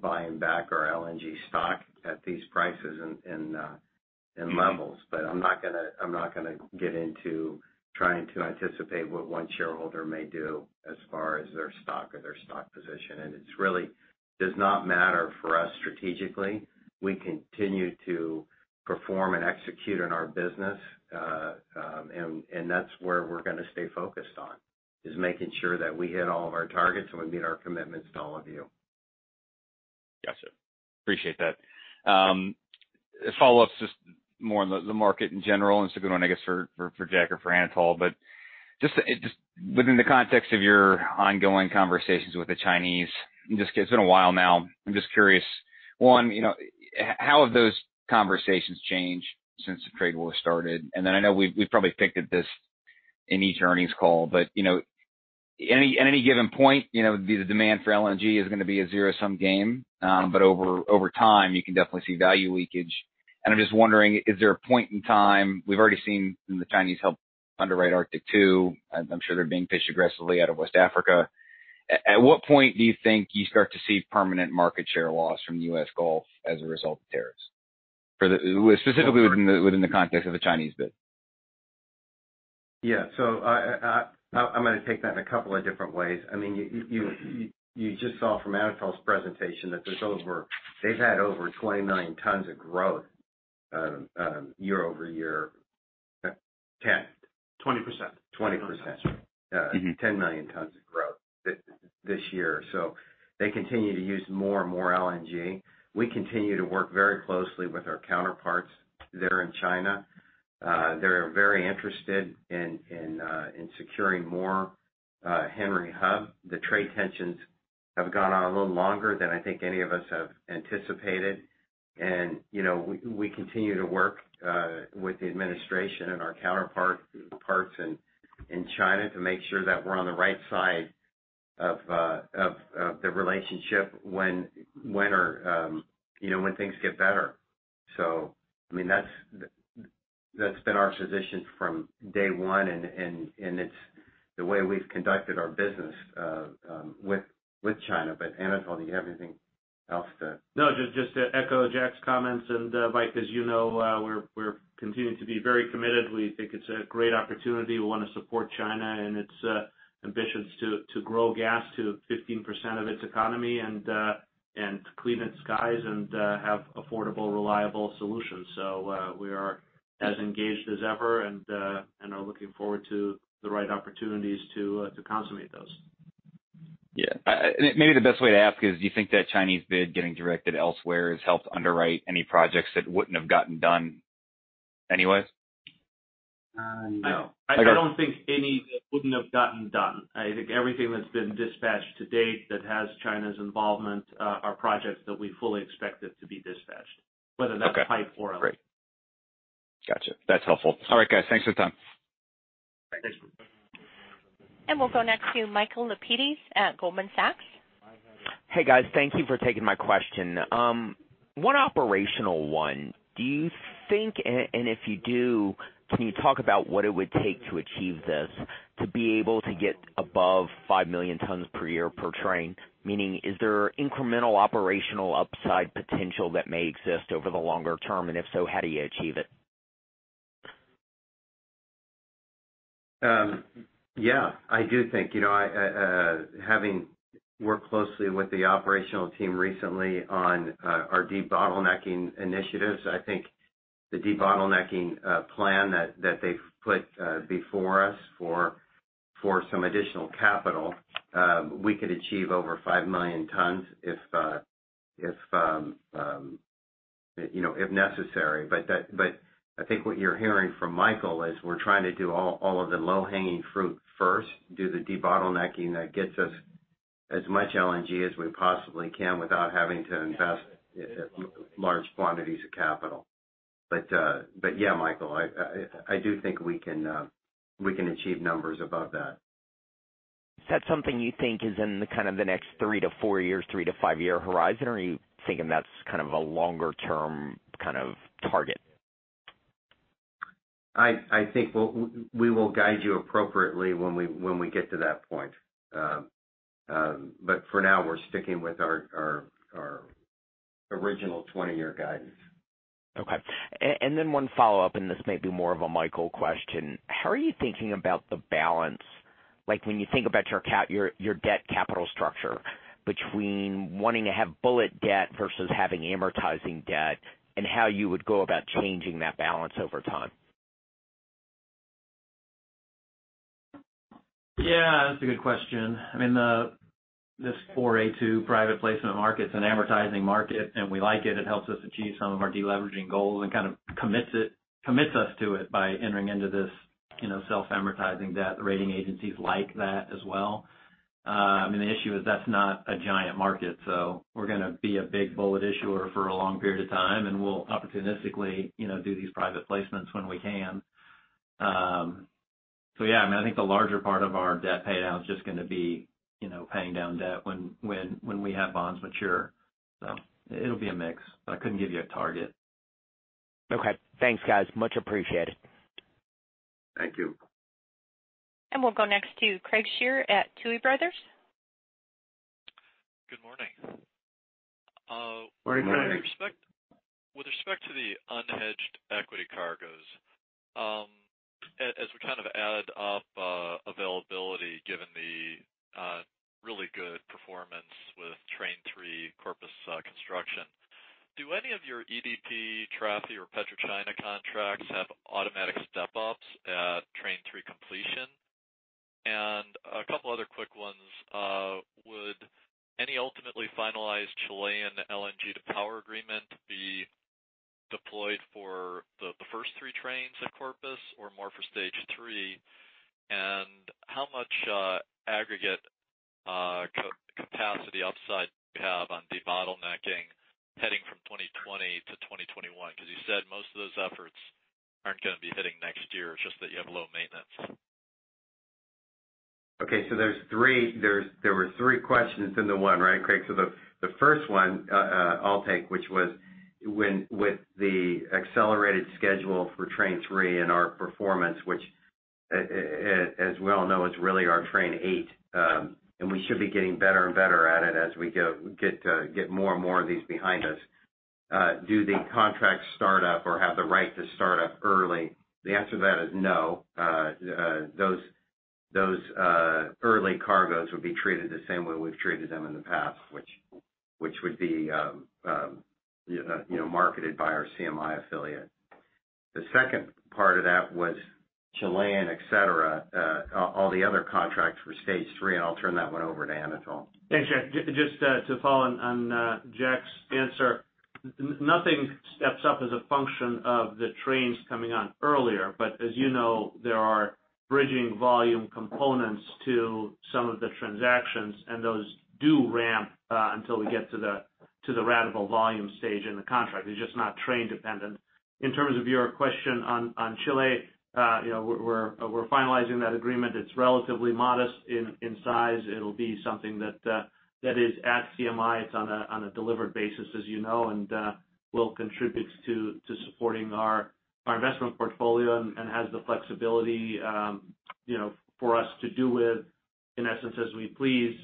buying back our LNG stock at these prices and levels. I'm not going to get into trying to anticipate what one shareholder may do as far as their stock or their stock position. It really does not matter for us strategically. We continue to perform and execute on our business. That's where we're going to stay focused on, is making sure that we hit all of our targets and we meet our commitments to all of you. Gotcha. Appreciate that. A follow-up, just more on the market in general, good one, I guess, for Jack or for Anatol, but just within the context of your ongoing conversations with the Chinese, it's been a while now. I'm just curious, one, how have those conversations changed since the trade war started? I know we've probably picked at this in each earnings call, but at any given point, the demand for LNG is going to be a zero-sum game. Over time, you can definitely see value leakage. I'm just wondering, is there a point in time? We've already seen the Chinese help underwrite Arctic 2. I'm sure they're being pitched aggressively out of West Africa. At what point do you think you start to see permanent market share loss from the U.S. Gulf as a result of tariffs? Specifically within the context of the Chinese bid. Yeah. I'm going to take that in a couple of different ways. You just saw from Anatol's presentation that they've had over 20 million tons of growth year-over-year. 10. 20%. 20%. 20%, sorry. Mm-hmm. 10 million tons of growth this year. They continue to use more and more LNG. We continue to work very closely with our counterparts that are in China. They're very interested in securing more Henry Hub. The trade tensions have gone on a little longer than I think any of us have anticipated. We continue to work with the administration and our counterparts in China to make sure that we're on the right side of the relationship when things get better. That's been our position from day one, and it's the way we've conducted our business with China. Anatol, do you have anything else? No, just to echo Jack's comments, and Mike, as you know, we're continuing to be very committed. We think it's a great opportunity. We want to support China and its ambitions to grow gas to 15% of its economy, and to clean its skies, and have affordable, reliable solutions. We are as engaged as ever and are looking forward to the right opportunities to consummate those. Yeah. Maybe the best way to ask is, do you think that Chinese bid getting directed elsewhere has helped underwrite any projects that wouldn't have gotten done anyway? No. No. I don't think any that wouldn't have gotten done. I think everything that's been dispatched to date that has China's involvement are projects that we fully expected to be dispatched, whether that's pipe or LNG. Okay, great. Got you. That's helpful. All right, guys. Thanks for your time. Thanks. We'll go next to Michael Lapides at Goldman Sachs. Hey, guys. Thank you for taking my question. One operational one. Do you think, and if you do, can you talk about what it would take to achieve this, to be able to get above five million tons per year per train? Meaning, is there incremental operational upside potential that may exist over the longer term, and if so, how do you achieve it? I do think. Having worked closely with the operational team recently on our debottlenecking initiatives, I think the debottlenecking plan that they've put before us for some additional capital, we could achieve over 5 million tons if necessary. I think what you're hearing from Michael is we're trying to do all of the low-hanging fruit first, do the debottlenecking that gets us as much LNG as we possibly can without having to invest large quantities of capital. Michael, I do think we can achieve numbers above that. Is that something you think is in the next three to four years, three to five-year horizon, or are you thinking that's a longer-term target? I think we will guide you appropriately when we get to that point. For now, we're sticking with our original 20-year guidance. Okay. One follow-up, and this may be more of a Michael question. How are you thinking about the balance, like when you think about your debt capital structure between wanting to have bullet debt versus having amortizing debt, and how you would go about changing that balance over time? Yeah, that's a good question. This 4(a)(2) private placement market's an amortizing market, and we like it. It helps us achieve some of our deleveraging goals and commits us to it by entering into this self-amortizing debt. The rating agencies like that as well. The issue is that's not a giant market, so we're going to be a big bullet issuer for a long period of time, and we'll opportunistically do these private placements when we can. I think the larger part of our debt payout is just going to be paying down debt when we have bonds mature. It'll be a mix, but I couldn't give you a target. Okay. Thanks, guys. Much appreciated. Thank you. We'll go next to Craig Shere at Tuohy Brothers. Good morning. Morning, Craig. With respect to the unhedged equity cargoes, as we add up availability given the really good performance with Train 3 Corpus Christi construction, do any of your EDP, Trafigura, or PetroChina contracts have automatic step-ups at Train 3 completion? A couple other quick ones. Would any ultimately finalized Chilean LNG to power agreement be deployed for the first 3 trains at Corpus Christi, or more for Stage 3? How much aggregate capacity upside do you have on debottlenecking heading from 2020 to 2021? Because you said most of those efforts aren't going to be hitting next year, it's just that you have low maintenance. Okay, there were three questions into one, right, Craig Shere? The first one I'll take, which was with the accelerated schedule for Train 3 and our performance, which, as we all know, is really our Train 8. We should be getting better and better at it as we get more and more of these behind us. Do the contracts start up or have the right to start up early? The answer to that is no. Those early cargoes would be treated the same way we've treated them in the past, which would be marketed by our CMI affiliate. The second part of that was Cheniere, et cetera, all the other contracts for stage 3, I'll turn that one over to Anatol Feygin. Thanks, Jack. Just to follow on Jack's answer. Nothing steps up as a function of the trains coming on earlier. As you know, there are bridging volume components to some of the transactions, and those do ramp until we get to the ratable volume stage in the contract. They're just not train-dependent. In terms of your question on Chile, we're finalizing that agreement. It's relatively modest in size. It'll be something that is at CMI. It's on a delivered basis, as you know, and will contribute to supporting our investment portfolio and has the flexibility for us to do withIn essence, as we please,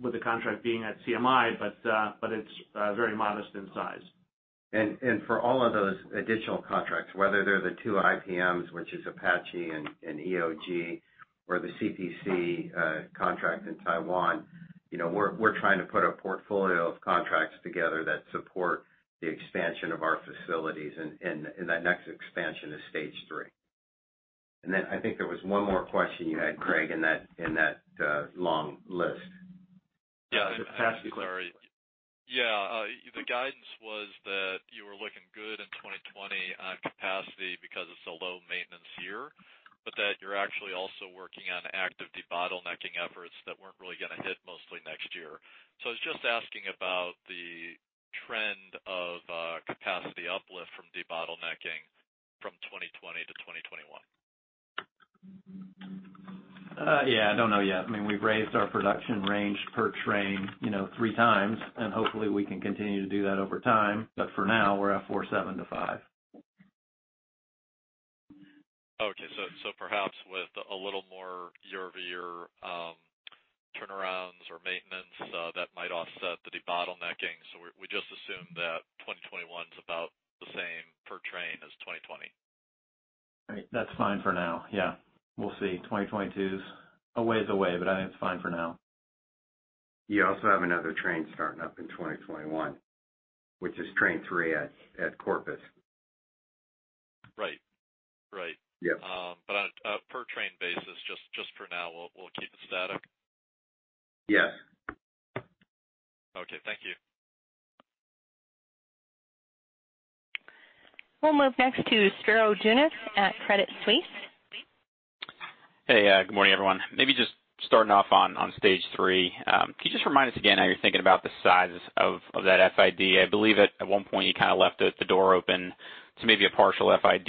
with the contract being at CMI, but it's very modest in size. For all of those additional contracts, whether they're the two IPMs, which is Apache and EOG, or the CPC contract in Taiwan, we're trying to put a portfolio of contracts together that support the expansion of our facilities, and that next expansion is stage 3. I think there was one more question you had, Craig, in that long list. Yeah. Pass the question. Sorry. Yeah. The guidance was that you were looking good in 2020 on capacity because it's a low maintenance year, but that you're actually also working on active debottlenecking efforts that weren't really going to hit mostly next year. I was just asking about the trend of capacity uplift from debottlenecking from 2020 to 2021. Yeah. I don't know yet. We've raised our production range per train three times, and hopefully we can continue to do that over time. For now, we're at 4.7-5 MTPA. Okay. Perhaps with a little more year-over-year turnarounds or maintenance, that might offset the debottlenecking. We just assume that 2021 is about the same per train as 2020. That's fine for now. Yeah. We'll see. 2022 is a ways away, but I think it's fine for now. You also have another train starting up in 2021, which is train 3 at Corpus. Right. Yeah. On a per train basis, just for now, we'll keep it static. Yes. Okay. Thank you. We'll move next to Spiro Dounis at Credit Suisse. Hey, good morning, everyone. Maybe just starting off on stage 3. Can you just remind us again how you're thinking about the size of that FID? I believe at one point you kind of left the door open to maybe a partial FID.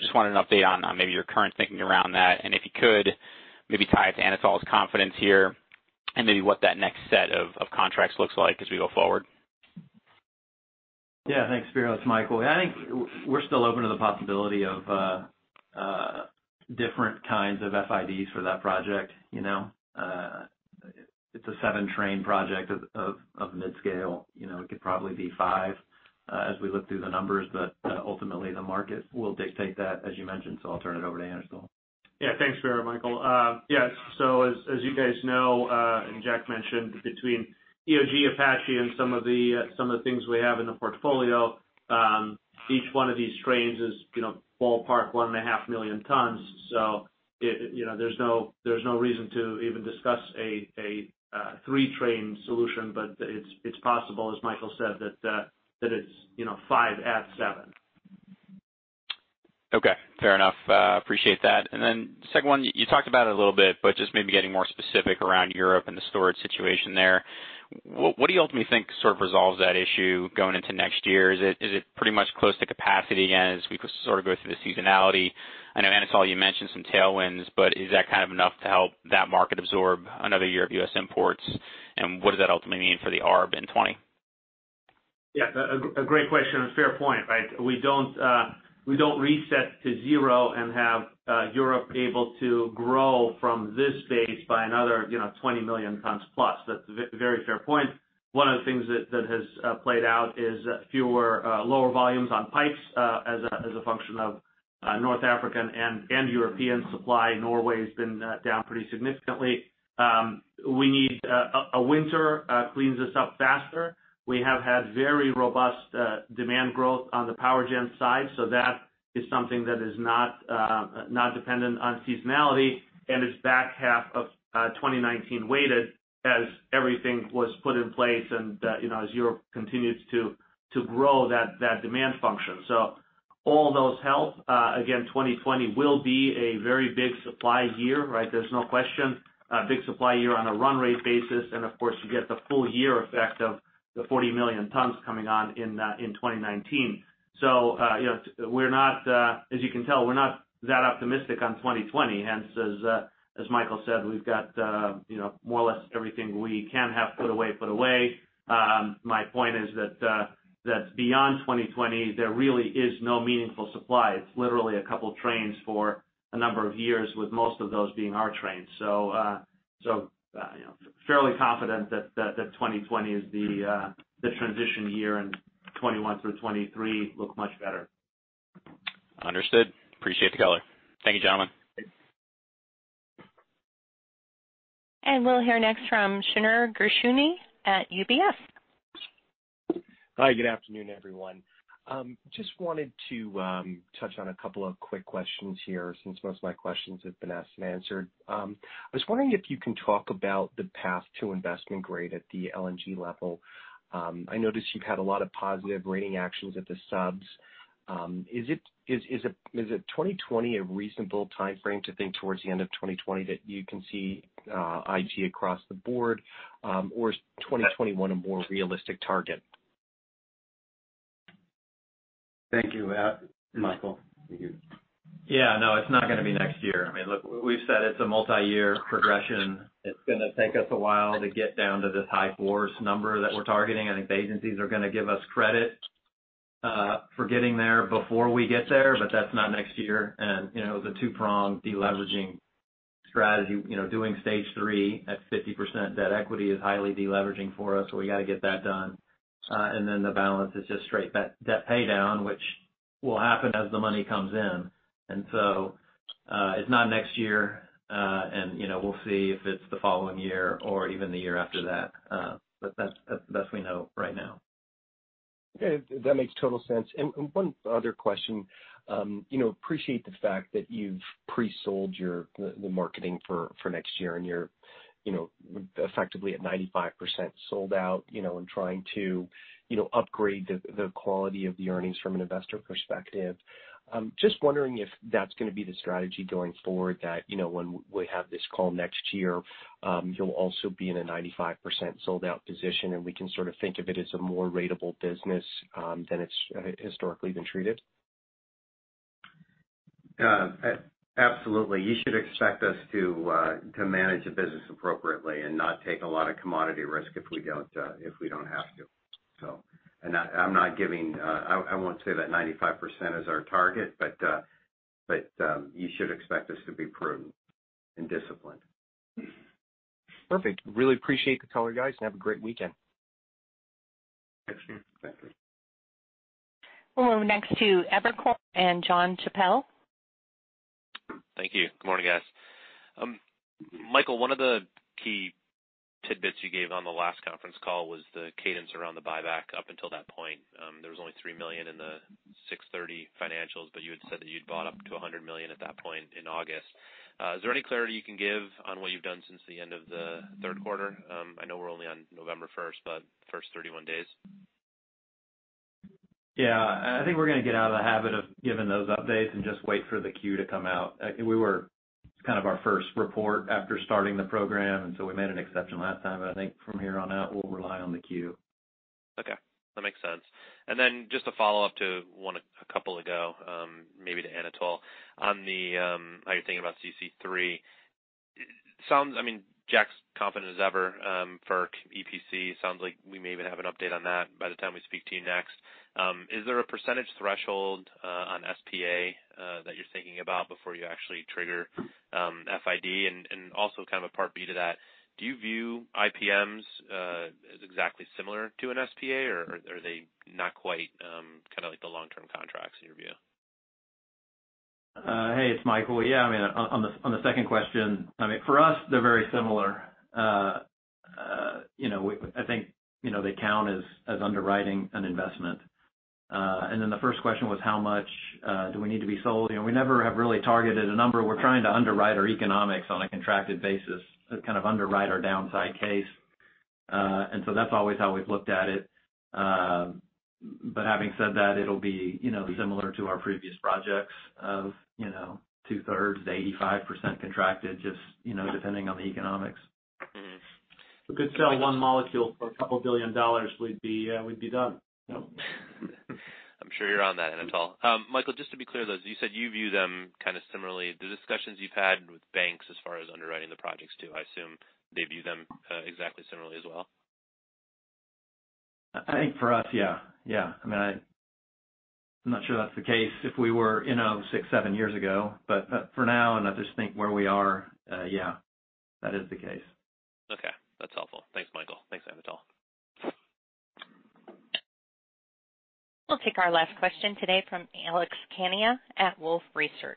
Just wanted an update on maybe your current thinking around that, and if you could, maybe tie it to Anatol's confidence here and maybe what that next set of contracts looks like as we go forward. Thanks, Spiro. It's Michael. I think we're still open to the possibility of different kinds of FIDs for that project. It's a 7-train project of mid-scale. It could probably be 5, as we look through the numbers, ultimately the market will dictate that, as you mentioned. I'll turn it over to Anatol. Yeah. Thanks, Spiro. Michael. Yes. As you guys know, and Jack mentioned, between EOG, Apache and some of the things we have in the portfolio, each one of these trains is ballpark 1.5 million tons. There's no reason to even discuss a 3-train solution, but it's possible, as Michael said, that it's 5 at 7. Okay. Fair enough. Appreciate that. Second one, you talked about it a little bit, but just maybe getting more specific around Europe and the storage situation there. What do you ultimately think sort of resolves that issue going into next year? Is it pretty much close to capacity again as we sort of go through the seasonality? I know, Anatol, you mentioned some tailwinds, but is that kind of enough to help that market absorb another year of U.S. imports? What does that ultimately mean for the ARB in 2020? Yeah. A great question. A fair point, right? We don't reset to zero and have Europe able to grow from this base by another 20 million tons plus. That's a very fair point. One of the things that has played out is fewer lower volumes on pipes as a function of North African and European supply. Norway's been down pretty significantly. A winter cleans this up faster. We have had very robust demand growth on the power gen side, that is something that is not dependent on seasonality and is back half of 2019 weighted as everything was put in place and as Europe continues to grow that demand function. All those help. Again, 2020 will be a very big supply year, right? There's no question. A big supply year on a run rate basis. Of course, you get the full year effect of the 40 million tons coming on in 2019. As you can tell, we're not that optimistic on 2020. Hence, as Michael said, we've got more or less everything we can have put away, put away. My point is that beyond 2020, there really is no meaningful supply. It's literally a couple trains for a number of years, with most of those being our trains. Fairly confident that 2020 is the transition year and 2021 through 2023 look much better. Understood. Appreciate the color. Thank you, gentlemen. We'll hear next from Shneur Gershuni at UBS. Hi. Good afternoon, everyone. Just wanted to touch on a couple of quick questions here since most of my questions have been asked and answered. I was wondering if you can talk about the path to investment grade at the LNG level. I noticed you've had a lot of positive rating actions at the subs. Is it 2020 a reasonable timeframe to think towards the end of 2020 that you can see IG across the board? Is 2021 a more realistic target? Thank you. Michael, to you. Yeah. No, it's not going to be next year. Look, we've said it's a multi-year progression. It's going to take us a while to get down to this high 4s number that we're targeting. I think the agencies are going to give us credit for getting there before we get there, but that's not next year. The two-pronged deleveraging strategy, doing Stage 3 at 50% debt equity is highly deleveraging for us, so we got to get that done. Then the balance is just straight debt pay down, which will happen as the money comes in. It's not next year, and we'll see if it's the following year or even the year after that. But that's the best we know right now. Okay. That makes total sense. One other question. Appreciate the fact that you've pre-sold the marketing for next year, and you're effectively at 95% sold out, and trying to upgrade the quality of the earnings from an investor perspective. Just wondering if that's going to be the strategy going forward that, when we have this call next year, you'll also be in a 95% sold-out position, and we can sort of think of it as a more ratable business than it's historically been treated. Absolutely. You should expect us to manage the business appropriately and not take a lot of commodity risk if we don't have to. I won't say that 95% is our target, but you should expect us to be prudent and disciplined. Perfect. Really appreciate the color, guys. Have a great weekend. Thanks. Thank you. We'll go next to Evercore and Jonathan Chappell. Thank you. Good morning, guys. Michael, one of the key tidbits you gave on the last conference call was the cadence around the buyback up until that point. There was only $3 million in the 6/30 financials, but you had said that you'd bought up to $100 million at that point in August. Is there any clarity you can give on what you've done since the end of the third quarter? I know we're only on November first, but first 31 days. Yeah. I think we're going to get out of the habit of giving those updates and just wait for the Q to come out. I think it was our first report after starting the program, and so we made an exception last time. I think from here on out, we'll rely on the Q. Okay. That makes sense. Just to follow up to one a couple ago, maybe to Anatol, on how you're thinking about CC3. Jack's confident as ever. FERC EPC sounds like we may even have an update on that by the time we speak to you next. Is there a percentage threshold on SPA that you're thinking about before you actually trigger FID? Also a part B to that, do you view IPMs as exactly similar to an SPA, or are they not quite the long-term contracts in your view? Hey, it's Michael. Yeah, on the second question, for us, they're very similar. I think they count as underwriting an investment. Then the first question was how much do we need to be sold. We never have really targeted a number. We're trying to underwrite our economics on a contracted basis to underwrite our downside case. That's always how we've looked at it. Having said that, it'll be similar to our previous projects of 2/3 to 85% contracted, just depending on the economics. If we could sell one molecule for a couple billion dollars, we'd be done. I'm sure you're on that, Anatol. Michael, just to be clear, though, you said you view them similarly. The discussions you've had with banks as far as underwriting the projects too, I assume they view them exactly similarly as well. I think for us, yeah. I'm not sure that's the case if we were in six, seven years ago. For now, and I just think where we are, yeah, that is the case. Okay. That's helpful. Thanks, Michael. Thanks, Anatol. We'll take our last question today from Alex Kania at Wolfe Research.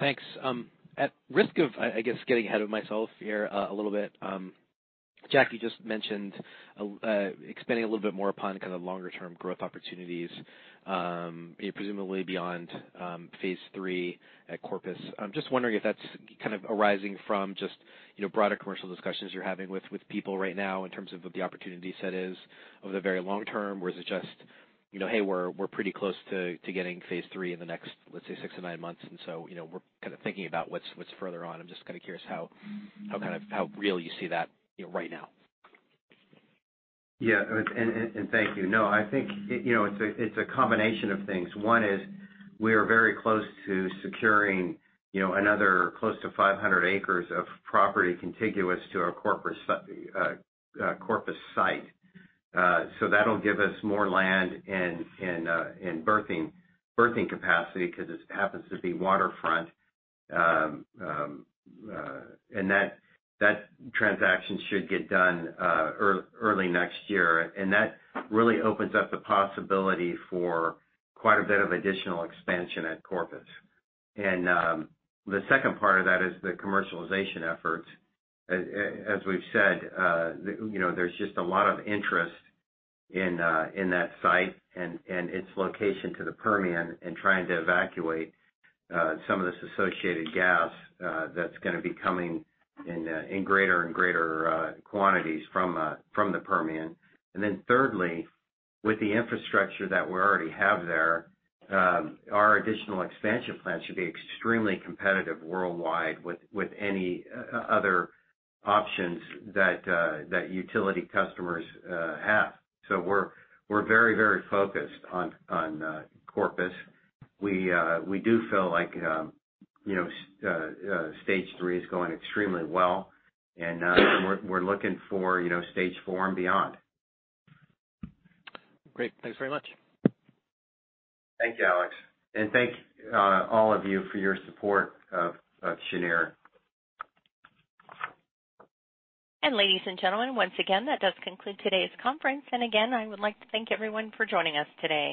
Thanks. At risk of, I guess, getting ahead of myself here a little bit. Jack, you just mentioned expanding a little bit more upon longer-term growth opportunities, presumably beyond phase 3 at Corpus. I'm just wondering if that's arising from just broader commercial discussions you're having with people right now in terms of what the opportunity set is over the very long term. Or is it just, "Hey, we're pretty close to getting phase 3 in the next, let's say, six to nine months, and so we're thinking about what's further on." I'm just curious how real you see that right now. Yeah. Thank you. No, I think it's a combination of things. One is we are very close to securing another close to 500 acres of property contiguous to our Corpus site. That'll give us more land and berthing capacity because it happens to be waterfront. That transaction should get done early next year. That really opens up the possibility for quite a bit of additional expansion at Corpus. The second part of that is the commercialization efforts. As we've said, there's just a lot of interest in that site and its location to the Permian and trying to evacuate some of this associated gas that's going to be coming in greater and greater quantities from the Permian. Thirdly, with the infrastructure that we already have there, our additional expansion plans should be extremely competitive worldwide with any other options that utility customers have. We're very focused on Corpus. We do feel like stage 3 is going extremely well, and we're looking for stage 4 and beyond. Great. Thanks very much. Thank you, Alex. Thank all of you for your support of Cheniere. Ladies and gentlemen, once again, that does conclude today's conference. Again, I would like to thank everyone for joining us today.